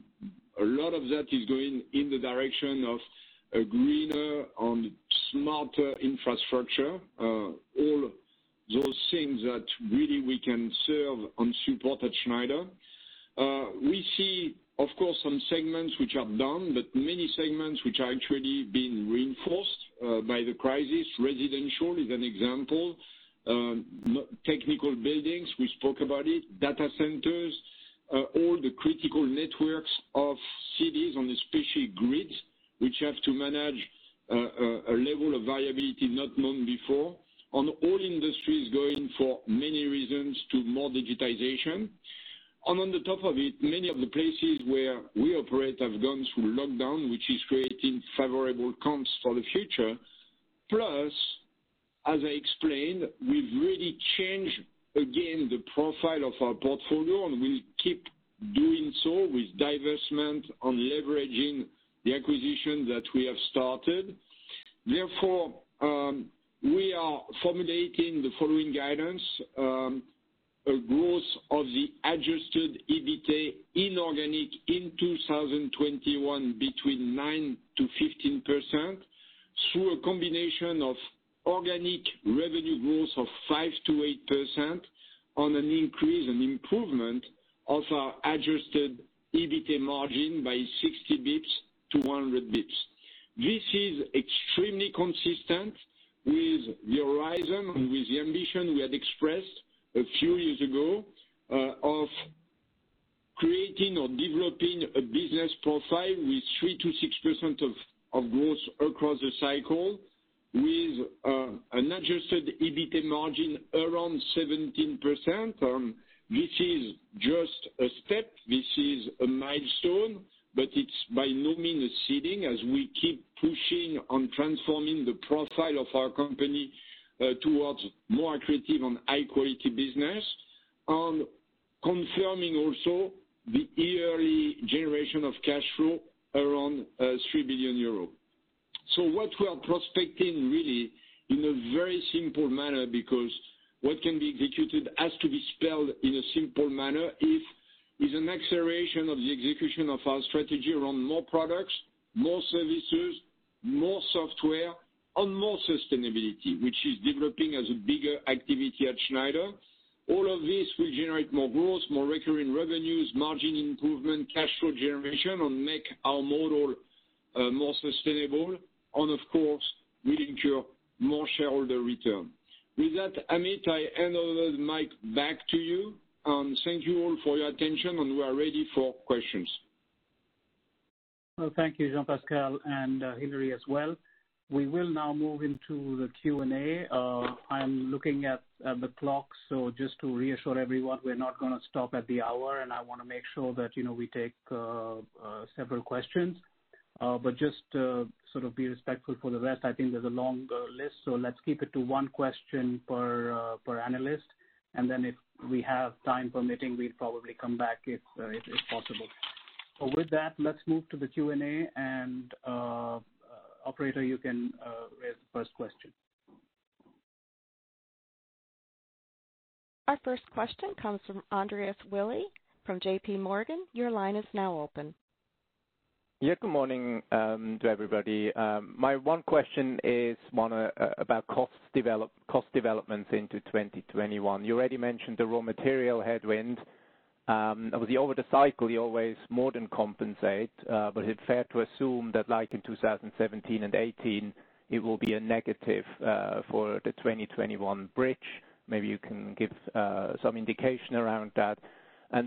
a lot of that is going in the direction of a greener and smarter infrastructure. All those things that really we can serve and support at Schneider. We see, of course, some segments which are down, but many segments which are actually being reinforced by the crisis. Residential is an example. Technical buildings, we spoke about it. Data centers, all the critical networks of cities on the smart grids, which have to manage a level of viability not known before. All industries going for many reasons to more digitization. The top of it, many of the places where we operate have gone through lockdown, which is creating favorable comps for the future. As I explained, we've really changed again the profile of our portfolio, and we'll keep doing so with divestment and leveraging the acquisition that we have started. We are formulating the following guidance. A growth of the Adjusted EBITA inorganic in 2021 between 9%-15%, through a combination of organic revenue growth of 5%-8% on an increase and improvement of our Adjusted EBITA margin by 60 basis points-100 basis points. This is extremely consistent with the horizon and with the ambition we had expressed a few years ago, of creating or developing a business profile with 3%-6% of growth across the cycle with an Adjusted EBITA margin around 17%. This is just a step. This is a milestone, but it's by no means a ceiling as we keep pushing on transforming the profile of our company towards more accretive and high-quality business, and confirming also the yearly generation of cash flow around 3 billion euro. What we are prospecting really in a very simple manner, because what can be executed has to be spelled in a simple manner, is an acceleration of the execution of our strategy around more products, more services, more software, and more sustainability, which is developing as a bigger activity at Schneider. All of this will generate more growth, more recurring revenues, margin improvement, cash flow generation, and make our model more sustainable. Of course, will ensure more shareholder return. With that, Amit, I hand over the mic back to you. Thank you all for your attention, and we are ready for questions. Well, thank you, Jean-Pascal, and Hilary as well. We will now move into the Q&A. I'm looking at the clock. Just to reassure everyone, we're not going to stop at the hour, and I want to make sure that we take several questions. Just be respectful for the rest. I think there's a long list, so let's keep it to one question per analyst, and then if we have time permitting, we'll probably come back if possible. With that, let's move to the Q&A, and operator, you can raise the first question. Our first question comes from Andreas Willi from JPMorgan. Your line is now open. Yeah. Good morning to everybody. My one question is, one, about cost developments into 2021. You already mentioned the raw material headwind. Over the cycle, you always more than compensate, but is it fair to assume that like in 2017 and 2018, it will be a negative for the 2021 bridge? Maybe you can give some indication around that.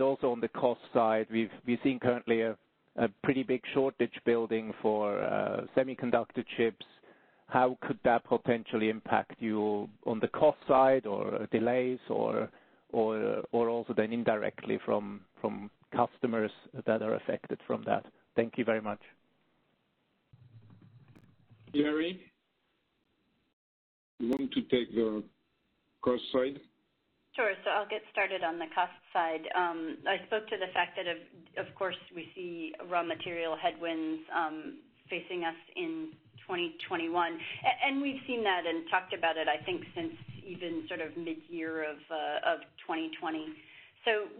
Also on the cost side, we're seeing currently a pretty big shortage building for semiconductor chips. How could that potentially impact you on the cost side, or delays, or also then indirectly from customers that are affected from that? Thank you very much. Hilary, you want to take the cost side? Sure. I'll get started on the cost side. I spoke to the fact that, of course, we see raw material headwinds facing us in 2021. We've seen that and talked about it, I think, since even mid-year of 2020.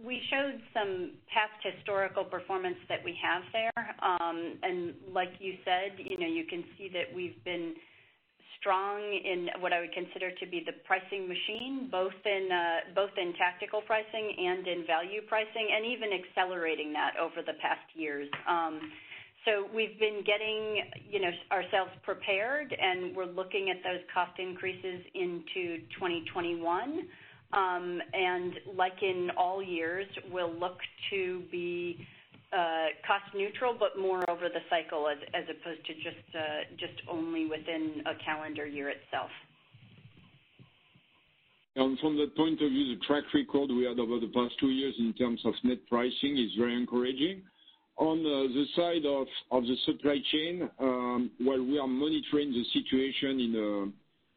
We showed some past historical performance that we have there. Like you said, you can see that we've been strong in what I would consider to be the pricing machine, both in tactical pricing and in value pricing, and even accelerating that over the past years. We've been getting ourselves prepared, and we're looking at those cost increases into 2021. Like in all years, we'll look to be cost neutral, but more over the cycle as opposed to just only within a calendar year itself. From the point of view, the track record we had over the past two years in terms of net pricing is very encouraging. On the side of the supply chain, while we are monitoring the situation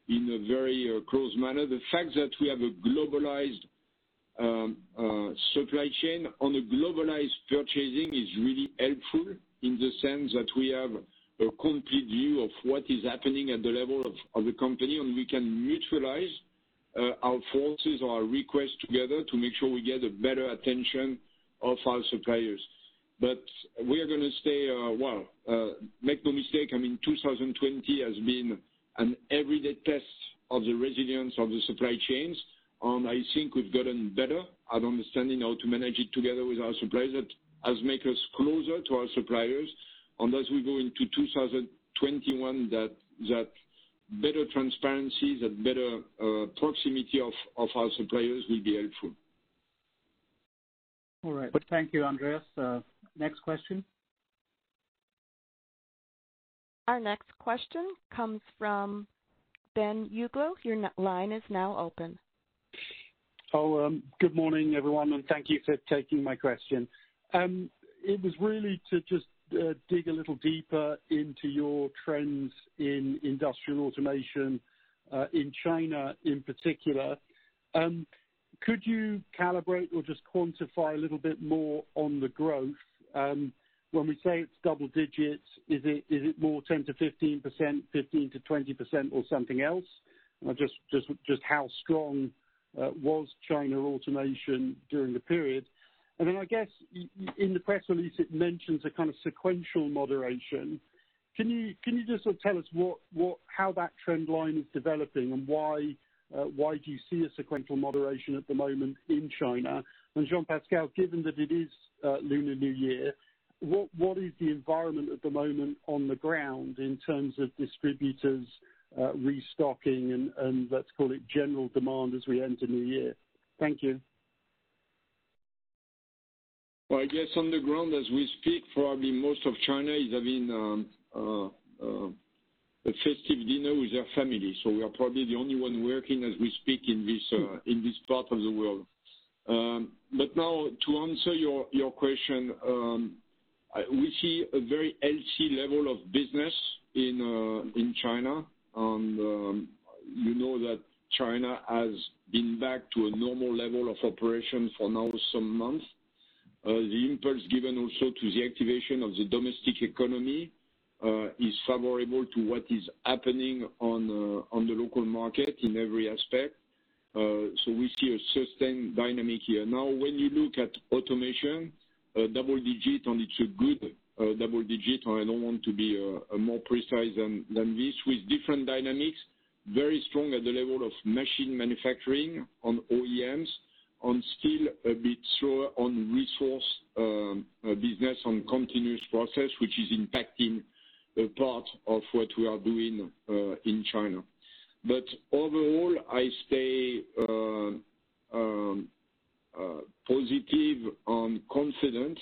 in a very close manner, the fact that we have a globalized supply chain on a globalized purchasing is really helpful in the sense that we have a complete view of what is happening at the level of the company, and we can neutralize our forces or our requests together to make sure we get a better attention of our suppliers. Make no mistake, 2020 has been an everyday test of the resilience of the supply chains, and I think we've gotten better at understanding how to manage it together with our suppliers. That has make us closer to our suppliers. As we go into 2021, that better transparency, that better proximity of our suppliers will be helpful. All right. Thank you, Andreas. Next question. Our next question comes from Ben Uglow. Your line is now open. Good morning, everyone, thank you for taking my question. It was really to just dig a little deeper into your trends in industrial automation, in China in particular. Could you calibrate or just quantify a little bit more on the growth? When we say it's double digits, is it more 10%-15%, 15%-20%, or something else? Just how strong was China automation during the period? I guess in the press release, it mentions a kind of sequential moderation. Can you just sort of tell us how that trend line is developing and why do you see a sequential moderation at the moment in China? Jean-Pascal, given that it is Lunar New Year, what is the environment at the moment on the ground in terms of distributors restocking and let's call it general demand as we enter New Year? Thank you. Well, I guess on the ground as we speak, probably most of China is having a festive dinner with their family. We are probably the only one working as we speak in this part of the world. Now to answer your question, we see a very healthy level of business in China, and you know that China has been back to a normal level of operation for now some months. The impulse given also to the activation of the domestic economy is favorable to what is happening on the local market in every aspect. We see a sustained dynamic here. When you look at automation, double digit, and it's a good double digit, I don't want to be more precise than this, with different dynamics, very strong at the level of machine manufacturing on OEMs, on steel, a bit slower on resource business, on continuous process, which is impacting a part of what we are doing in China. Overall, I stay positive on confidence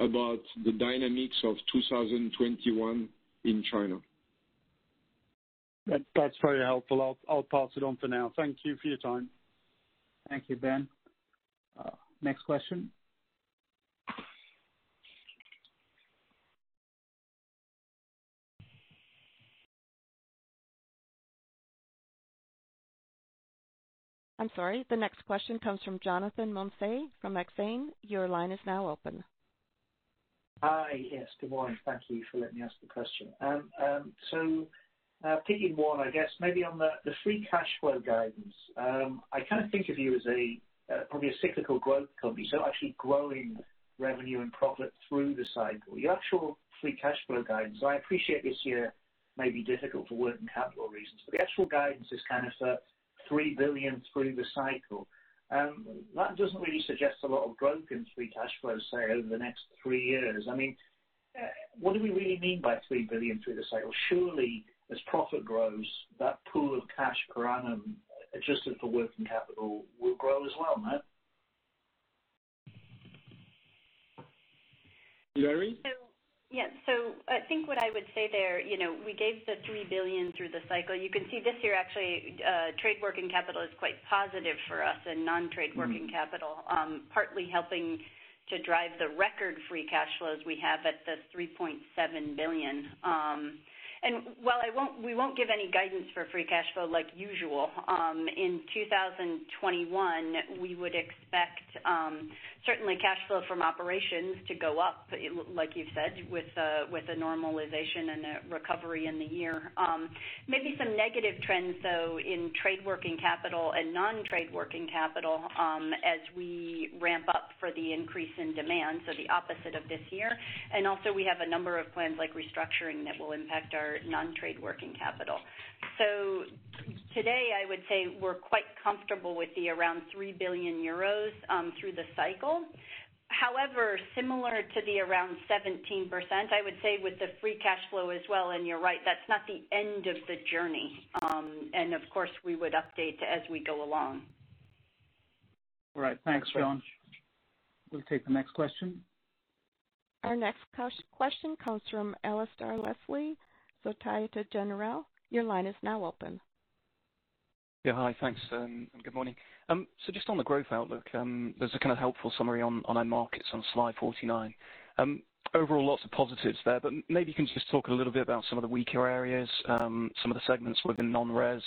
about the dynamics of 2021 in China. That's very helpful. I'll pass it on for now. Thank you for your time. Thank you, Ben. Next question. I'm sorry. The next question comes from Jonathan Mounsey from Exane. Your line is now open. Hi. Yes, good morning. Thank you for letting me ask the question. Picking one, I guess maybe on the free cash flow guidance. I kind of think of you as probably a cyclical growth company, actually growing revenue and profit through the cycle. The actual free cash flow guidance, I appreciate this year may be difficult for working capital reasons, but the actual guidance is kind of the 3 billion through the cycle. That doesn't really suggest a lot of growth in free cash flow, say, over the next three years. What do we really mean by 3 billion through the cycle? As profit grows, that pool of cash per annum, adjusted for working capital, will grow as well, no? Hilary? Yes. I think what I would say there, we gave the 3 billion through the cycle. You can see this year, actually, trade working capital is quite positive for us and non-trade working capital, partly helping to drive the record-free cash flows we have at the 3.7 billion. While we won't give any guidance for free cash flow like usual, in 2021, we would expect, certainly, cash flow from operations to go up, like you said, with the normalization and the recovery in the year. Maybe some negative trends, though, in trade working capital and non-trade working capital, as we ramp up for the increase in demand, so the opposite of this year. Also, we have a number of plans like restructuring that will impact our non-trade working capital. Today, I would say we're quite comfortable with the around 3 billion euros through the cycle. However, similar to the around 17%, I would say with the free cash flow as well. You're right, that's not the end of the journey. Of course, we would update as we go along. All right. Thanks, Jean. We'll take the next question. Our next question comes from Alasdair Leslie, Société Générale. Your line is now open. Yeah. Hi. Thanks, and good morning. Just on the growth outlook, there's a kind of helpful summary on end markets on slide 49. Overall, lots of positives there, but maybe you can just talk a little bit about some of the weaker areas, some of the segments within non-res,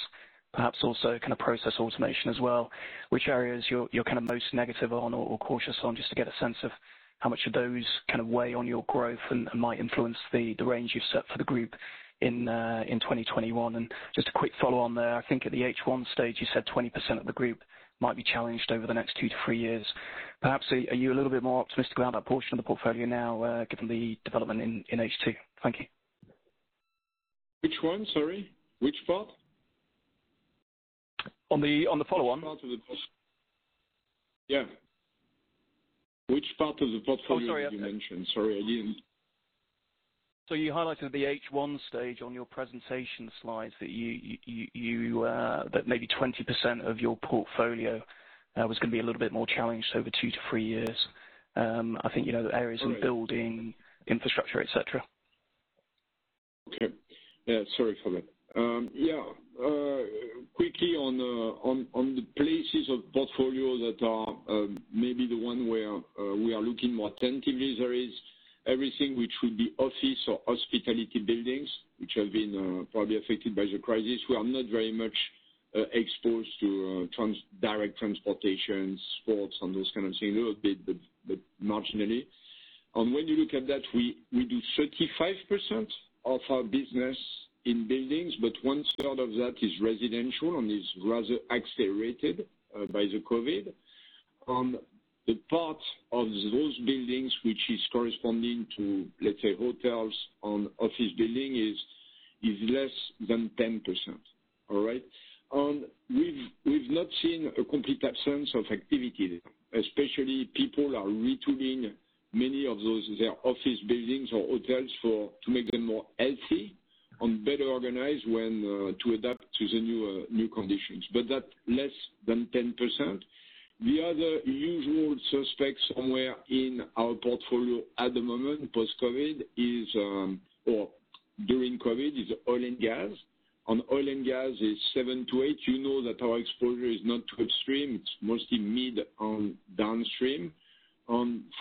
perhaps also kind of process automation as well. Which areas you're kind of most negative on or cautious on, just to get a sense of how much of those kind of weigh on your growth and might influence the range you've set for the group in 2021? Just a quick follow-on there. I think at the H1 stage, you said 20% of the group might be challenged over the next two to three years. Perhaps, are you a little bit more optimistic about that portion of the portfolio now given the development in H2? Thank you. Which one? Sorry. Which part? On the follow-on. Yeah. Which part of the portfolio? Oh, sorry. You mentioned? Sorry. You highlighted at the H1 stage on your presentation slides that maybe 20% of your portfolio was going to be a little bit more challenged over two to three years. I think, the areas in building, infrastructure, et cetera. Okay. Yeah, sorry for that. Yeah. Quickly on the places of portfolio that are maybe the one where we are looking more attentively, there is everything which would be office or hospitality buildings, which have been probably affected by the crisis. We are not very much exposed to direct transportation, sports, and those kind of things. A little bit, but marginally. When you look at that, we do 35% of our business in buildings, but one third of that is residential and is rather accelerated by the COVID. The part of those buildings which is corresponding to, let's say, hotels and office building is less than 10%. All right? We've not seen a complete absence of activity. Especially people are retooling many of their office buildings or hotels to make them more healthy and better organized to adapt to the new conditions. That less than 10%. The other usual suspects somewhere in our portfolio at the moment, post-COVID, or during COVID, is oil and gas. Oil and gas is 7%-8%. You know that our exposure is not to upstream. It is mostly mid and downstream.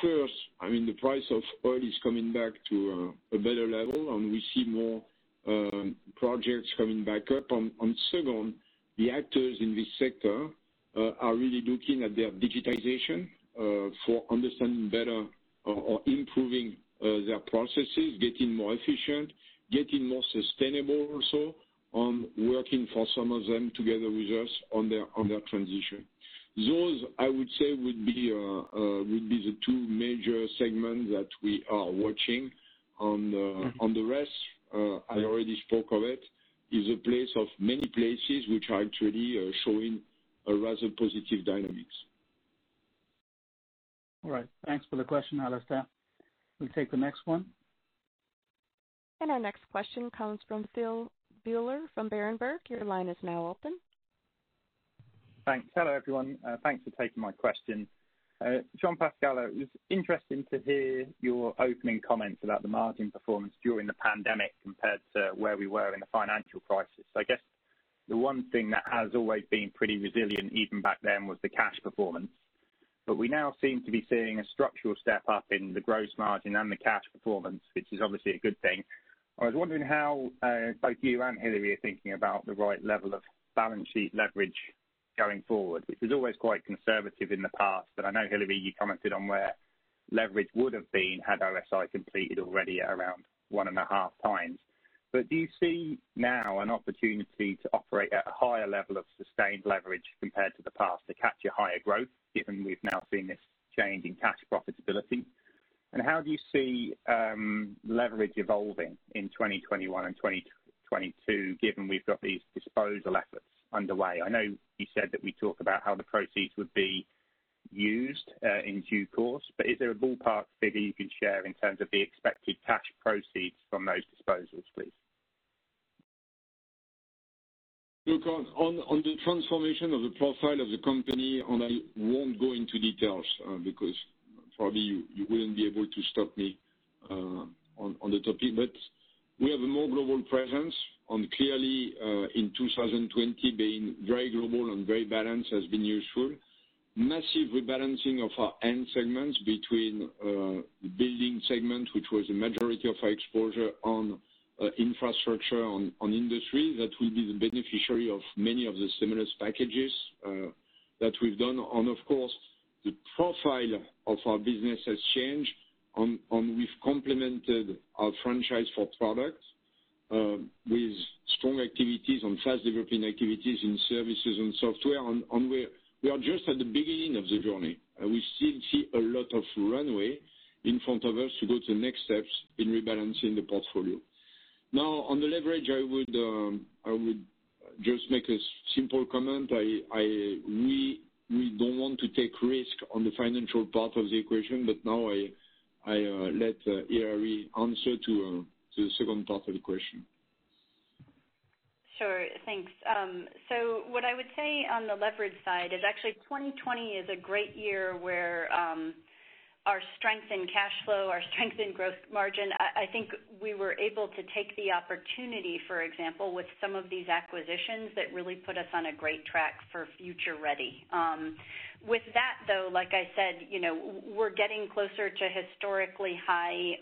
First, the price of oil is coming back to a better level, and we see more projects coming back up. Second, the actors in this sector are really looking at their digitization for understanding better or improving their processes, getting more efficient, getting more sustainable also, working for some of them together with us on their transition. Those, I would say, would be the two major segments that we are watching. On the rest, I already spoke of it, is a place of many places which are actually showing a rather positive dynamics. All right. Thanks for the question, Alasdair. We'll take the next one. Our next question comes from Phil Buller from Berenberg. Your line is now open. Thanks. Hello, everyone. Thanks for taking my question. Jean-Pascal, it was interesting to hear your opening comments about the margin performance during the pandemic compared to where we were in the financial crisis. I guess the one thing that has always been pretty resilient, even back then, was the cash performance. We now seem to be seeing a structural step up in the gross margin and the cash performance, which is obviously a good thing. I was wondering how both you and Hilary are thinking about the right level of balance sheet leverage going forward. It was always quite conservative in the past, but I know, Hilary, you commented on where leverage would have been had ETAP completed already at around one and a half times. Do you see now an opportunity to operate at a higher level of sustained leverage compared to the past to capture higher growth, given we've now seen this change in cash profitability? How do you see leverage evolving in 2021 and 2022, given we've got these disposal efforts underway? I know you said that we'd talk about how the proceeds would be used in due course, but is there a ballpark figure you can share in terms of the expected cash proceeds from those disposals, please? Look, on the transformation of the profile of the company, and I won't go into details because probably you wouldn't be able to stop me on the topic. We have a more global presence, and clearly in 2020, being very global and very balanced has been useful. Massive rebalancing of our end segments between the building segment, which was a majority of our exposure on infrastructure, on industry, that will be the beneficiary of many of the stimulus packages that we've done. Of course, the profile of our business has changed, and we've complemented our franchise for product with strong activities and fast-developing activities in services and software. We are just at the beginning of the journey. We still see a lot of runway in front of us to go to the next steps in rebalancing the portfolio. On the leverage, I would just make a simple comment. We don't want to take risk on the financial part of the equation, but now I let Hilary answer to the second part of the question. Sure. Thanks. What I would say on the leverage side is actually 2020 is a great year where our strength in cash flow, our strength in gross margin, I think we were able to take the opportunity, for example, with some of these acquisitions that really put us on a great track for future ready. With that, though, like I said, we're getting closer to historically high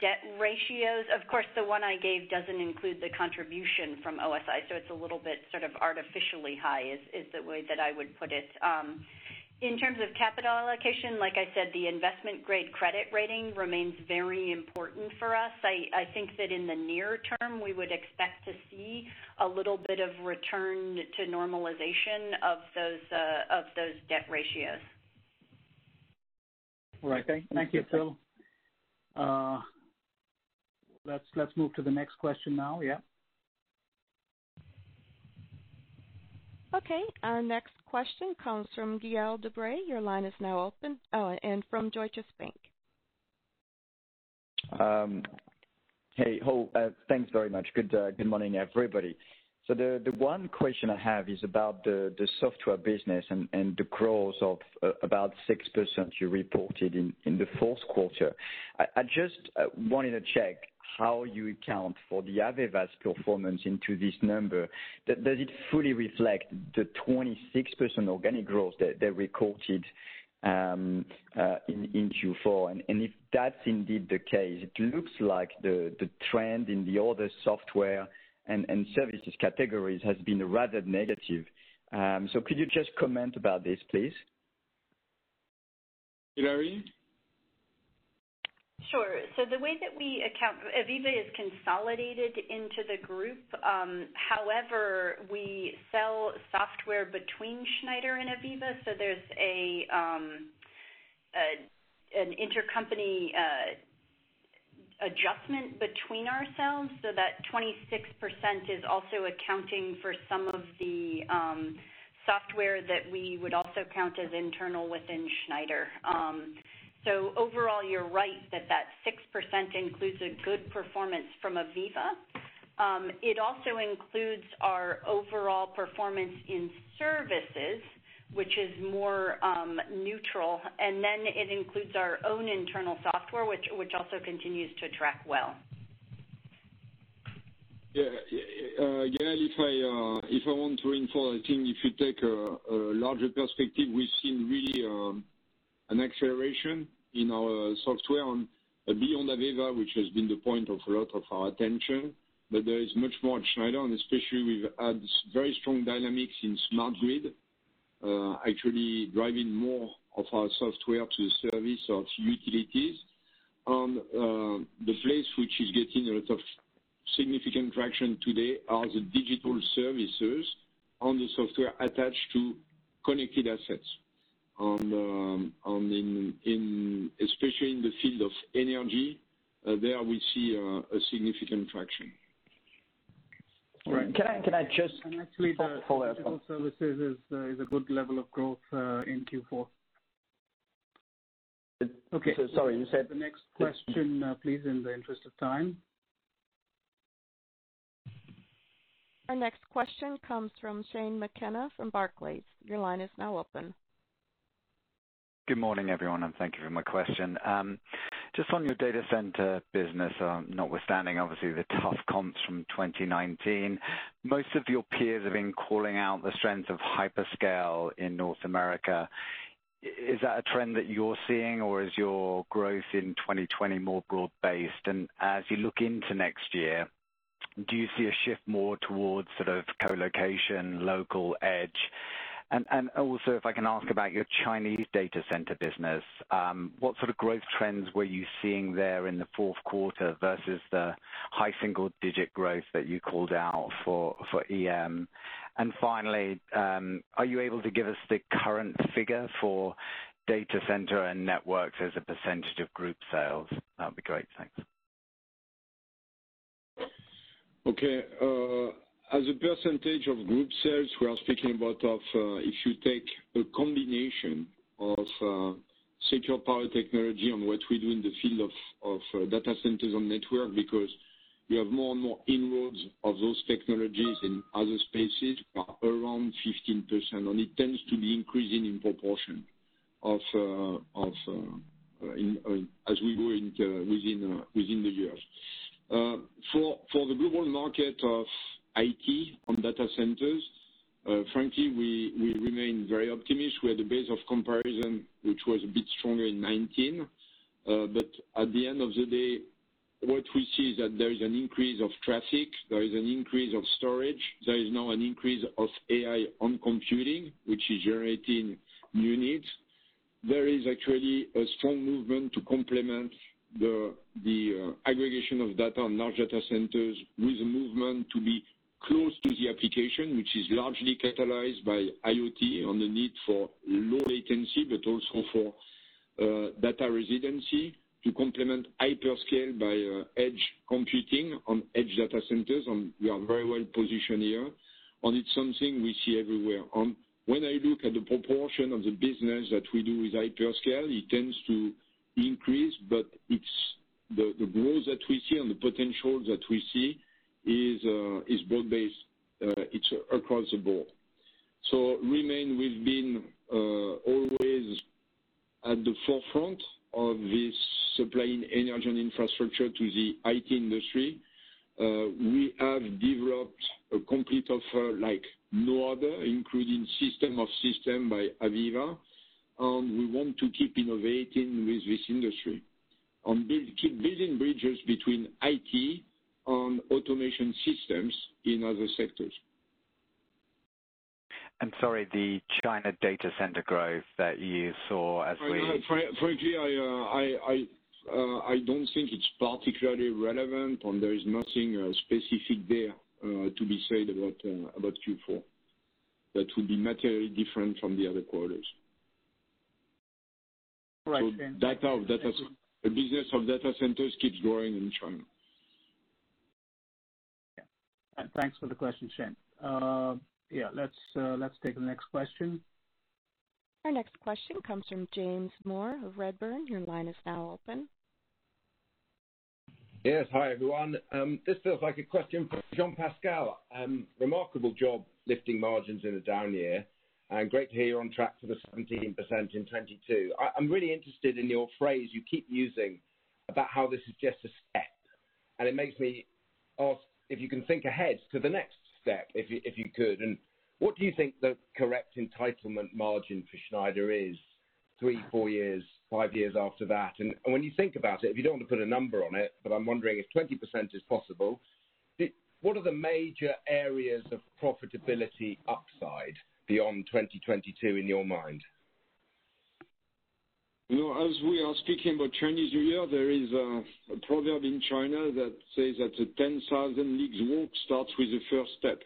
debt ratios. Of course, the one I gave doesn't include the contribution from ETAP, it's a little bit sort of artificially high, is the way that I would put it. In terms of capital allocation, like I said, the investment-grade credit rating remains very important for us. I think that in the near term, we would expect to see a little bit of return to normalization of those debt ratios. All right. Thank you, Phil. Let's move to the next question now, yeah. Okay. Our next question comes from Gaël de Bray. Your line is now open, and from Deutsche Bank. Hey. Thanks very much. Good morning, everybody. The one question I have is about the software business and the growth of about 6% you reported in the fourth quarter. I just wanted to check how you account for the AVEVA's performance into this number. Does it fully reflect the 26% organic growth that recorded in Q4? If that's indeed the case, it looks like the trend in the other software and services categories has been rather negative. Could you just comment about this, please? Hilary? Sure. The way that we account, AVEVA is consolidated into the group. However, we sell software between Schneider and AVEVA, there's an intercompany adjustment between ourselves that 26% is also accounting for some of the software that we would also count as internal within Schneider. Overall, you're right that that 6% includes a good performance from AVEVA. It also includes our overall performance in services, which is more neutral, it includes our own internal software, which also continues to track well. Yeah. Gaël, if I want to reinforce, I think if you take a larger perspective, we've seen really an acceleration in our software and beyond AVEVA, which has been the point of a lot of our attention. There is much more in Schneider, and especially we've had very strong dynamics in smart grids, actually driving more of our software to the service of utilities. The place which is getting a lot of significant traction today are the digital services on the software attached to connected assets, especially in the field of energy. There we see a significant traction. Right. Actually the digital services is a good level of growth, in Q4. Okay. Sorry, you said? The next question, please, in the interest of time. Our next question comes from Shane McKenna from Barclays. Your line is now open. Good morning, everyone, and thank you for my question. Just on your data center business, notwithstanding obviously the tough comps from 2019, most of your peers have been calling out the strength of hyperscale in North America. Is that a trend that you're seeing, or is your growth in 2020 more broad-based? As you look into next year, do you see a shift more towards sort of co-location, local edge? Also if I can ask about your Chinese data center business, what sort of growth trends were you seeing there in the fourth quarter versus the high single-digit growth that you called out for EM? Finally, are you able to give us the current figure for data center and networks as a percentage of group sales? That would be great. Thanks. Okay. As a percentage of group sales, we are speaking about of, if you take a combination of Secure Power technology and what we do in the field of data centers on network, because we have more and more inroads of those technologies in other spaces, around 15%, and it tends to be increasing in proportion as we go within the years. For the global market of IT on data centers, frankly, we remain very optimistic. We had a base of comparison, which was a bit stronger in 2019. At the end of the day, what we see is that there is an increase of traffic, there is an increase of storage. There is now an increase of AI on computing, which is generating new needs. There is actually a strong movement to complement the aggregation of data on large data centers with movement to be close to the application, which is largely catalyzed by IoT on the need for low latency, but also for data residency to complement hyperscale by edge computing on edge data centers. We are very well positioned here, and it's something we see everywhere. When I look at the proportion of the business that we do with hyperscale, it tends to increase, but the growth that we see and the potential that we see is broad-based. It's across the board. We've been always at the forefront of this supplying energy and infrastructure to the IT industry. We have developed a complete offer like no other, including system of system by AVEVA, and we want to keep innovating with this industry and keep building bridges between IT and automation systems in other sectors. Sorry, the China data center growth that you saw? Frankly, I don't think it's particularly relevant, and there is nothing specific there to be said about Q4 that will be materially different from the other quarters. All right, Shane. Thank you. The business of data centers keeps growing in China. Yeah. Thanks for the question, Shane. Yeah, let's take the next question. Our next question comes from James Moore of Redburn. Your line is now open. Yes. Hi, everyone. This feels like a question for Jean-Pascal. Remarkable job lifting margins in a down year, and great to hear you're on track for the 17% in 2022. I'm really interested in your phrase you keep using about how this is just a step, and it makes me ask if you can think ahead to the next step, if you could. What do you think the correct entitlement margin for Schneider is three, four years, five years after that? When you think about it, if you don't want to put a number on it, but I'm wondering if 20% is possible. What are the major areas of profitability upside beyond 2022 in your mind? As we are speaking about Chinese New Year, there is a proverb in China that says that "A 10,000 leagues walk starts with the first step."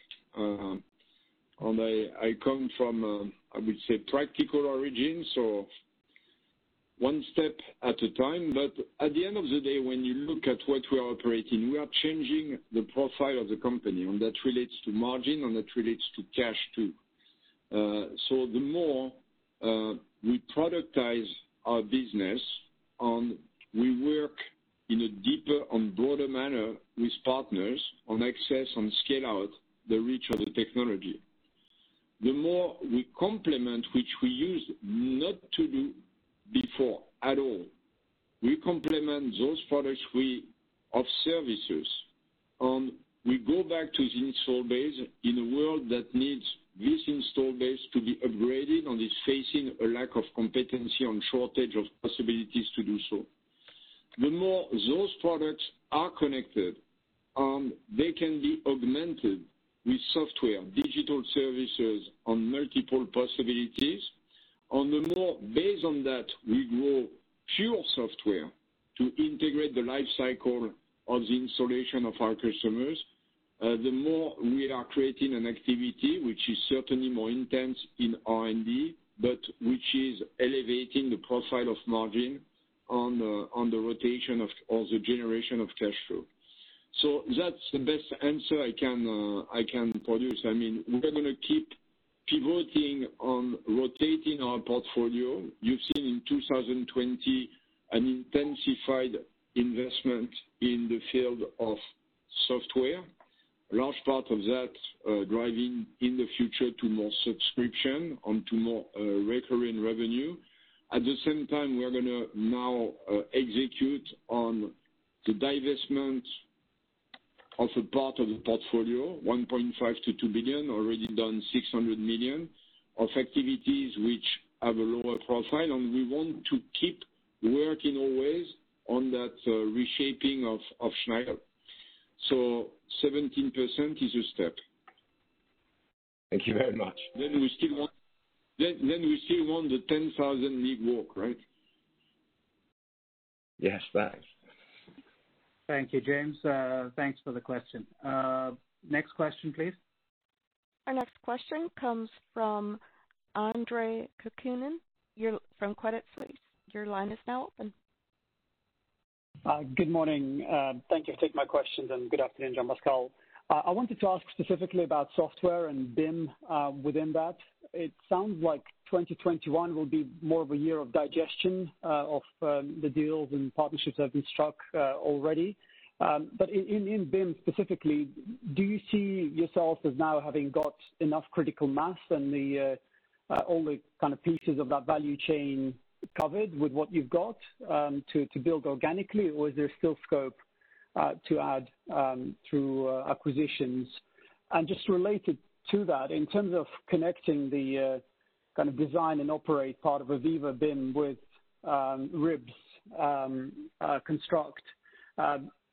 I come from, I would say, practical origins, so one step at a time. At the end of the day, when you look at what we are operating, we are changing the profile of the company, and that relates to margin, and that relates to cash, too. The more we productize our business, and we work in a deeper and broader manner with partners on access and scale out the reach of the technology. The more we complement, which we used not to do before at all, we complement those products of services, and we go back to the install base in a world that needs this install base to be upgraded and is facing a lack of competency and shortage of possibilities to do so. The more those products are connected, they can be augmented with software, digital services, and multiple possibilities. The more based on that we grow pure software to integrate the life cycle of the installation of our customers, the more we are creating an activity which is certainly more intense in R&D, but which is elevating the profile of margin. On the rotation of all the generation of cash flow. That's the best answer I can produce. We're going to keep pivoting on rotating our portfolio. You've seen in 2020 an intensified investment in the field of software, large part of that driving in the future to more subscription, onto more recurring revenue. At the same time, we are going to now execute on the divestment of a part of the portfolio, 1.5 billion-2 billion, already done 600 million of activities which have a lower profile, and we want to keep working always on that reshaping of Schneider. 17% is a step. Thank you very much. We still want the 10,000 leagues work, right? Yes. Thanks. Thank you, James. Thanks for the question. Next question, please. Our next question comes from Andre Kukhnin from Credit Suisse. Good morning. Thank you for taking my questions, and good afternoon, Jean-Pascal. I wanted to ask specifically about software and BIM within that. It sounds like 2021 will be more of a year of digestion of the deals and partnerships that have been struck already. In BIM specifically, do you see yourselves as now having got enough critical mass and all the kind of pieces of that value chain covered with what you've got to build organically, or is there still scope to add through acquisitions? Just related to that, in terms of connecting the kind of design and operate part of AVEVA BIM with RIB's Construct,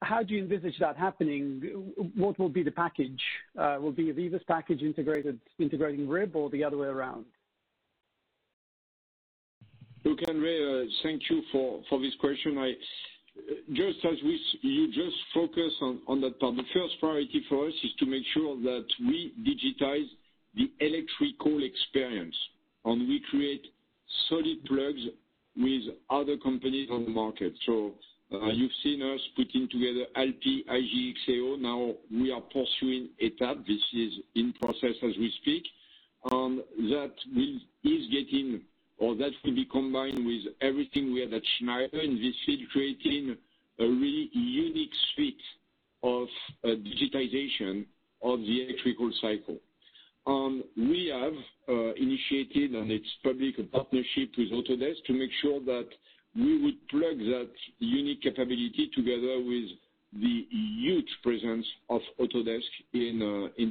how do you envisage that happening? What will be the package? Will be AVEVA's package integrating RIB or the other way around? Look, Andre thank you for this question. You just focus on that part. The first priority for us is to make sure that we digitize the electrical experience, and we create solid plugs with other companies on the market. You've seen us putting together ALPI, IGE+XAO. Now we are pursuing ETAP. This is in process as we speak. That will be combined with everything we have at Schneider, and this is creating a really unique suite of digitization of the electrical cycle. We have initiated, and it's public, a partnership with Autodesk to make sure that we would plug that unique capability together with the huge presence of Autodesk in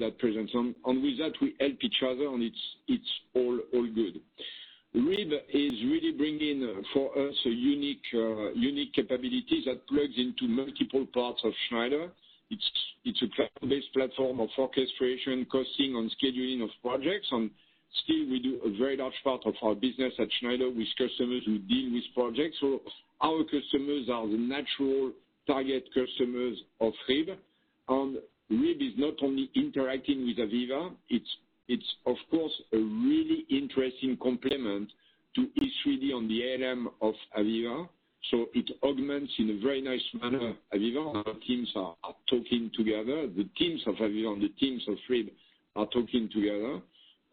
that presence. With that, we help each other, and it's all good. RIB is really bringing in for us a unique capability that plugs into multiple parts of Schneider. It's a cloud-based platform of orchestration, costing, and scheduling of projects. Still we do a very large part of our business at Schneider with customers who deal with projects. Our customers are the natural target customers of RIB, and RIB is not only interacting with AVEVA, it's of course a really interesting complement to E3D and the AIM of AVEVA. It augments in a very nice manner AVEVA. Our teams are talking together. The teams of AVEVA and the teams of RIB are talking together.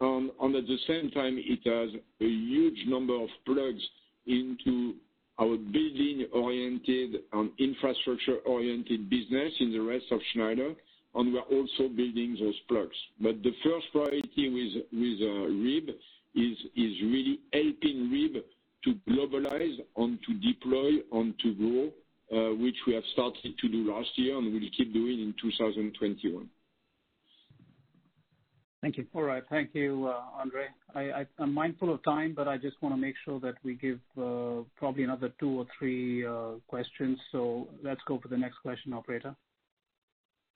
At the same time, it has a huge number of plugs into our building-oriented and infrastructure-oriented business in the rest of Schneider, and we are also building those plugs. The first priority with RIB is really helping RIB to globalize and to deploy and to grow, which we have started to do last year, and we will keep doing in 2021. Thank you. All right. Thank you, Andre. I'm mindful of time. I just want to make sure that we give probably another two or three questions. Let's go for the next question, operator.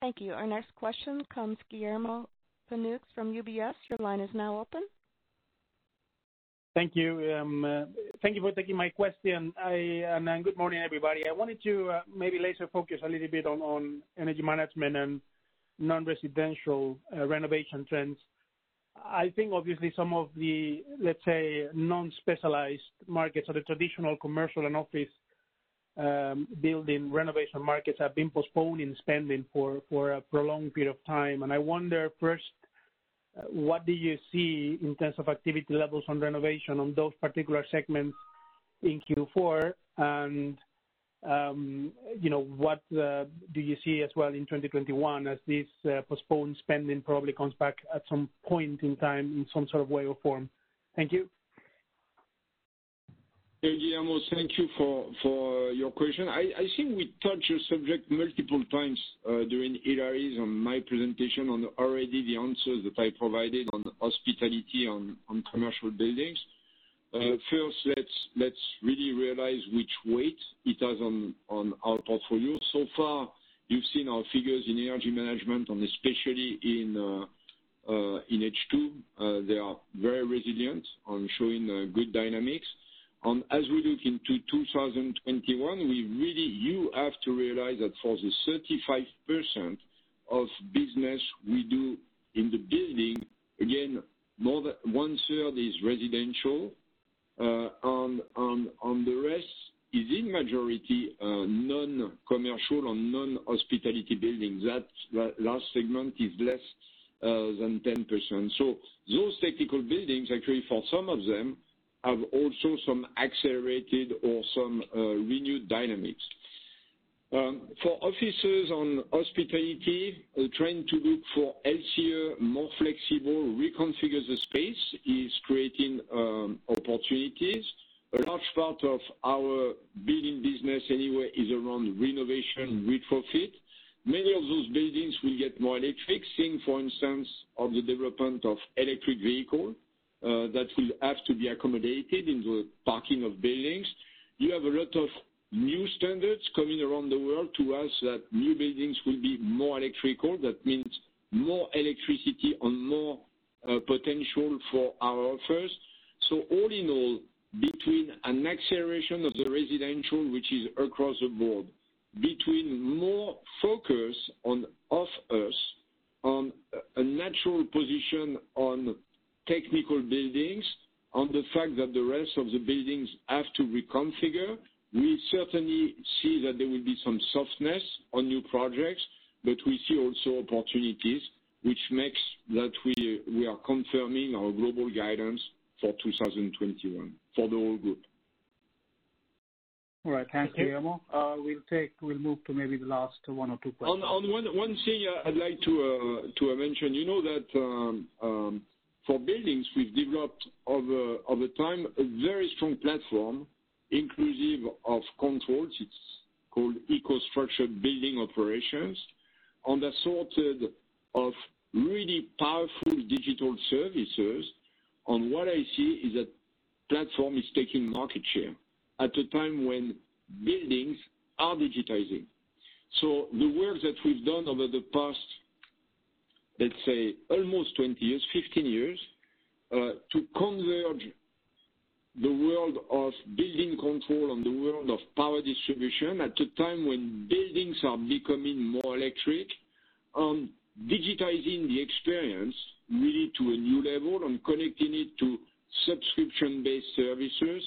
Thank you. Our next question comes Guillermo Peigneux from UBS. Your line is now open. Thank you. Thank you for taking my question. Good morning, everybody. I wanted to maybe laser focus a little bit on energy management and non-residential renovation trends. I think obviously some of the, let's say, non-specialized markets or the traditional commercial and office building renovation markets have been postponing spending for a prolonged period of time. I wonder first, what do you see in terms of activity levels on renovation on those particular segments in Q4? What do you see as well in 2021 as this postponed spending probably comes back at some point in time in some sort of way or form? Thank you. Guillermo, thank you for your question. I think we touched your subject multiple times during Hilary's and my presentation on already the answers that I provided on hospitality on commercial buildings. First, let's really realize which weight it has on our portfolio. So far, you've seen our figures in energy management and especially in H2. They are very resilient and showing good dynamics. As we look into 2021, you have to realize that for the 35% of business we do in the building again, more than one-third is residential, and the rest is in majority non-commercial or non-hospitality buildings. That last segment is less than 10%. Those technical buildings, actually for some of them, have also some accelerated or some renewed dynamics. For offices and hospitality, a trend to look for healthier, more flexible, reconfigure the space is creating opportunities. A large part of our building business anyway is around renovation, retrofit. Many of those buildings will get more electrics, think for instance, of the development of electric vehicle, that will have to be accommodated in the parking of buildings. You have a lot of new standards coming around the world to us that new buildings will be more electrical. That means more electricity and more potential for our offers. All in all, between an acceleration of the residential, which is across the board, between more focus on offers, on a natural position on technical buildings, on the fact that the rest of the buildings have to reconfigure. We certainly see that there will be some softness on new projects, but we see also opportunities which makes that we are confirming our global guidance for 2021 for the whole group. All right. Thank you, Guillermo. We'll move to maybe the last one or two questions. One thing I'd like to mention. You know that, for buildings, we've developed over time, a very strong platform, inclusive of controls. It's called EcoStruxure Building Operation. Assorted of really powerful digital services on what I see is that platform is taking market share at a time when buildings are digitizing. The work that we've done over the past, let's say almost 20 years, 15 years, to converge the world of building control and the world of power distribution at a time when buildings are becoming more electric, digitizing the experience really to a new level and connecting it to subscription-based services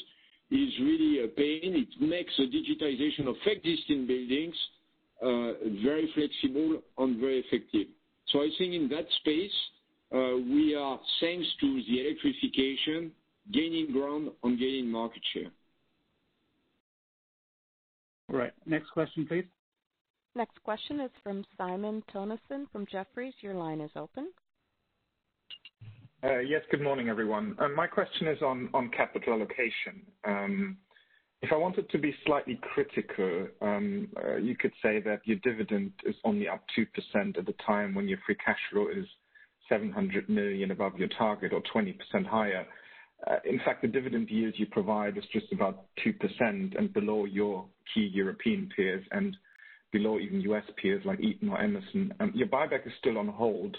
is really a gain. It makes the digitization of existing buildings very flexible and very effective. I think in that space, we are, thanks to the electrification, gaining ground and gaining market share. All right. Next question, please. Next question is from Simon Toennessen from Jefferies. Your line is open. Yes, good morning, everyone. My question is on capital allocation. If I wanted to be slightly critical, you could say that your dividend is only up 2% at the time when your free cash flow is 700 million above your target or 20% higher. In fact, the dividend yields you provide is just about 2% and below your key European peers and below even U.S. peers like Eaton or Emerson. Your buyback is still on hold,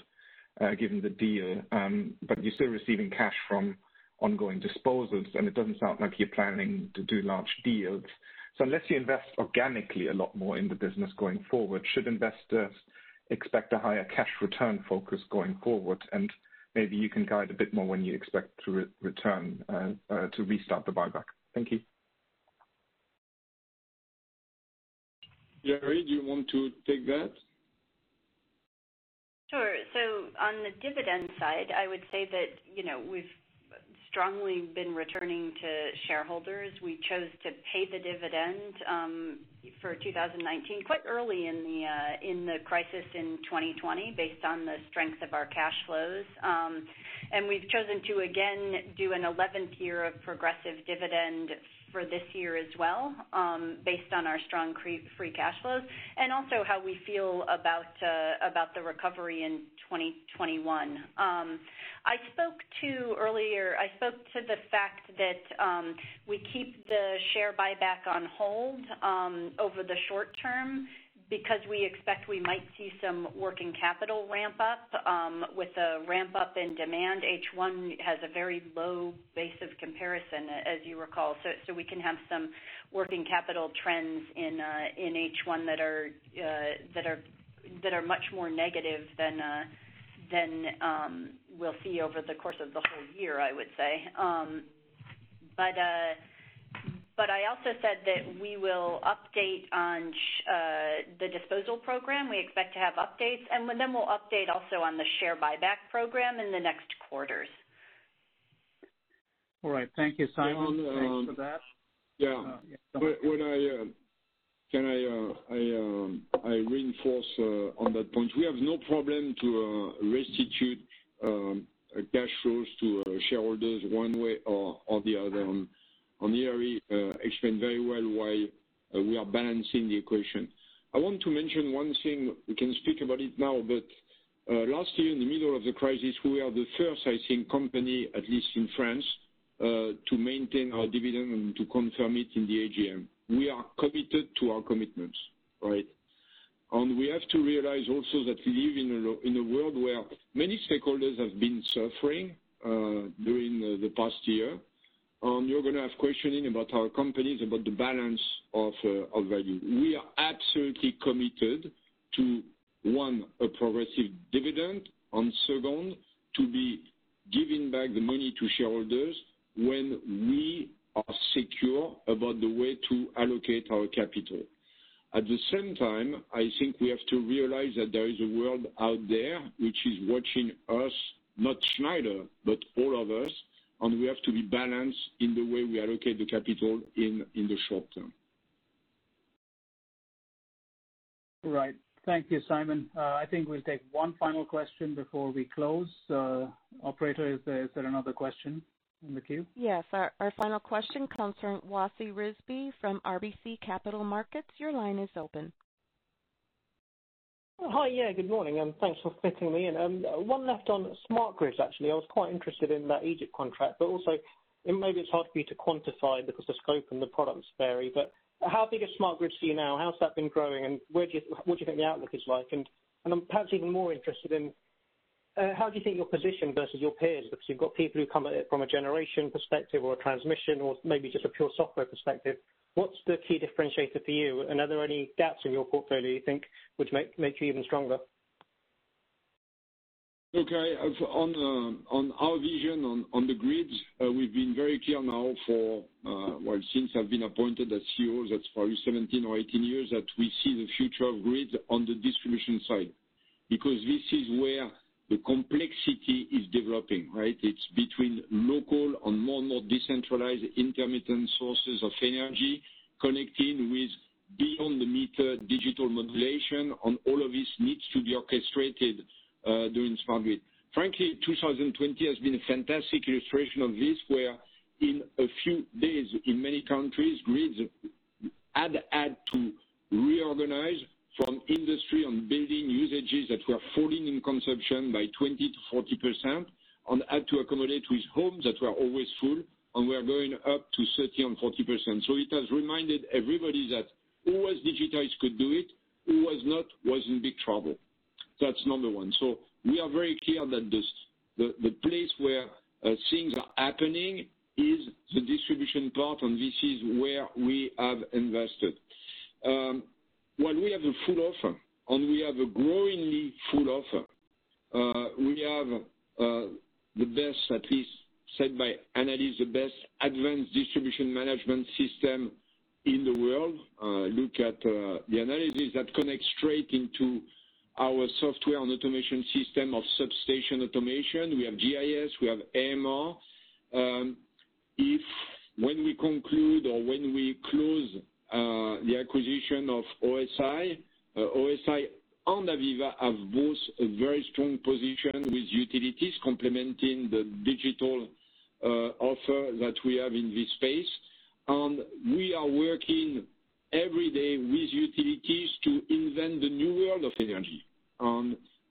given the deal, but you're still receiving cash from ongoing disposals, and it doesn't sound like you're planning to do large deals. Unless you invest organically a lot more in the business going forward, should investors expect a higher cash return focus going forward? Maybe you can guide a bit more when you expect to restart the buyback. Thank you. Hilary, do you want to take that? Sure. On the dividend side, I would say that we've strongly been returning to shareholders. We chose to pay the dividend for 2019 quite early in the crisis in 2020, based on the strength of our cash flows. We've chosen to again do an 11th year of progressive dividend for this year as well, based on our strong free cash flows, and also how we feel about the recovery in 2021. Earlier I spoke to the fact that we keep the share buyback on hold over the short term because we expect we might see some working capital ramp up with a ramp up in demand. H1 has a very low base of comparison, as you recall. We can have some working capital trends in H1 that are much more negative than we'll see over the course of the whole year, I would say. I also said that we will update on the disposal program. We expect to have updates, and then we'll update also on the share buyback program in the next quarters. All right. Thank you, Simon. Thanks for that. Yeah. Can I reinforce on that point? We have no problem to restitute cash flows to shareholders one way or the other. Hilary explained very well why we are balancing the equation. I want to mention one thing. Last year in the middle of the crisis, we are the first, I think, company, at least in France, to maintain our dividend and to confirm it in the AGM. We are committed to our commitments, right? We have to realize also that we live in a world where many stakeholders have been suffering during the past year. You're going to have questioning about our companies, about the balance of value. We are absolutely committed to, one, a progressive dividend, and second, to be giving back the money to shareholders when we are secure about the way to allocate our capital. At the same time, I think we have to realize that there is a world out there which is watching us, not Schneider, but all of us, and we have to be balanced in the way we allocate the capital in the short term. Right. Thank you, Simon. I think we'll take one final question before we close. Operator, is there another question in the queue? Yes. Our final question comes from Wasi Rizvi from RBC Capital Markets. Your line is open. Hi. Yeah, good morning, and thanks for fitting me in. One left on smart grids, actually. I was quite interested in that Egypt contract, but also, and maybe it's hard for you to quantify because the scope and the products vary, but how big is smart grids to you now? How's that been growing, and what do you think the outlook is like? I'm perhaps even more interested in how do you think you're positioned versus your peers? Because you've got people who come at it from a generation perspective or a transmission or maybe just a pure software perspective. What's the key differentiator for you? Are there any gaps in your portfolio you think would make you even stronger? Okay. On our vision on the grids, we've been very clear now for, well, since I've been appointed as CEO, that's probably 17 or 18 years, that we see the future of grids on the distribution side because this is where the complexity is developing, right? It's between local and more and more decentralized intermittent sources of energy connecting with beyond the meter digital modulation, and all of this needs to be orchestrated during smart grid. Frankly, 2020 has been a fantastic illustration of this, where in a few days in many countries, grids had to reorganize from industry and building usages that were falling in consumption by 20%-40% and had to accommodate with homes that were always full and were going up to 30% and 40%. It has reminded everybody that who was digitized could do it, who was not was in big trouble. We are very clear that the place where things are happening is the distribution part, and this is where we have invested. Well, we have a full offer, and we have a growingly full offer. We have the best, at least said by analysts, the best advanced distribution management system in the world. Look at the analysis that connects straight into our software and automation system of substation automation. We have GIS, we have AMR. If when we conclude or when we close the acquisition of ETAP and AVEVA have both a very strong position with utilities complementing the digital offer that we have in this space. We are working every day with utilities to invent the new world of energy.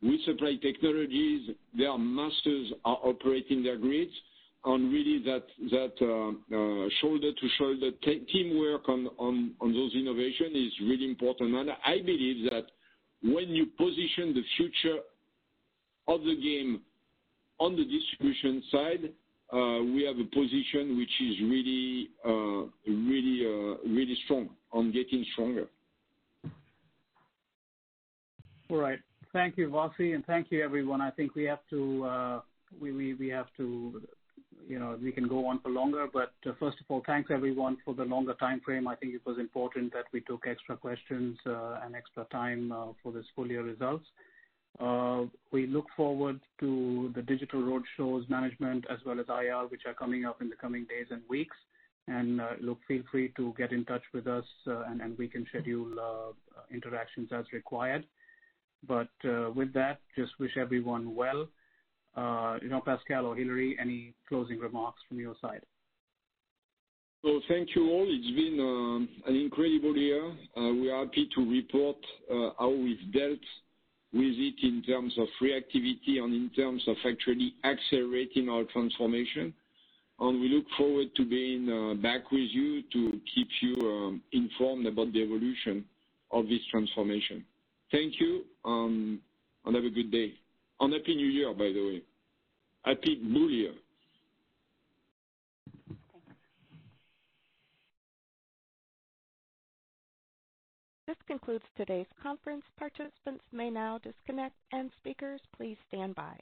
With supply technologies, their masters are operating their grids, and really that shoulder-to-shoulder teamwork on those innovation is really important. I believe that when you position the future of the game on the distribution side, we have a position which is really strong and getting stronger. All right. Thank you, Wasi, and thank you, everyone. I think we can go on for longer, but first of all, thanks, everyone, for the longer timeframe. I think it was important that we took extra questions and extra time for this full year results. We look forward to the digital roadshows, management, as well as IR, which are coming up in the coming days and weeks. Look, feel free to get in touch with us, and we can schedule interactions as required. With that, just wish everyone well. Pascal or Hilary, any closing remarks from your side? Thank you all. It's been an incredible year. We are happy to report how we've dealt with it in terms of reactivity and in terms of actually accelerating our transformation. We look forward to being back with you to keep you informed about the evolution of this transformation. Thank you, and have a good day. Happy New Year, by the way. Happy bull year. Thanks. This concludes today's conference. Participants may now disconnect. Speakers, please stand by.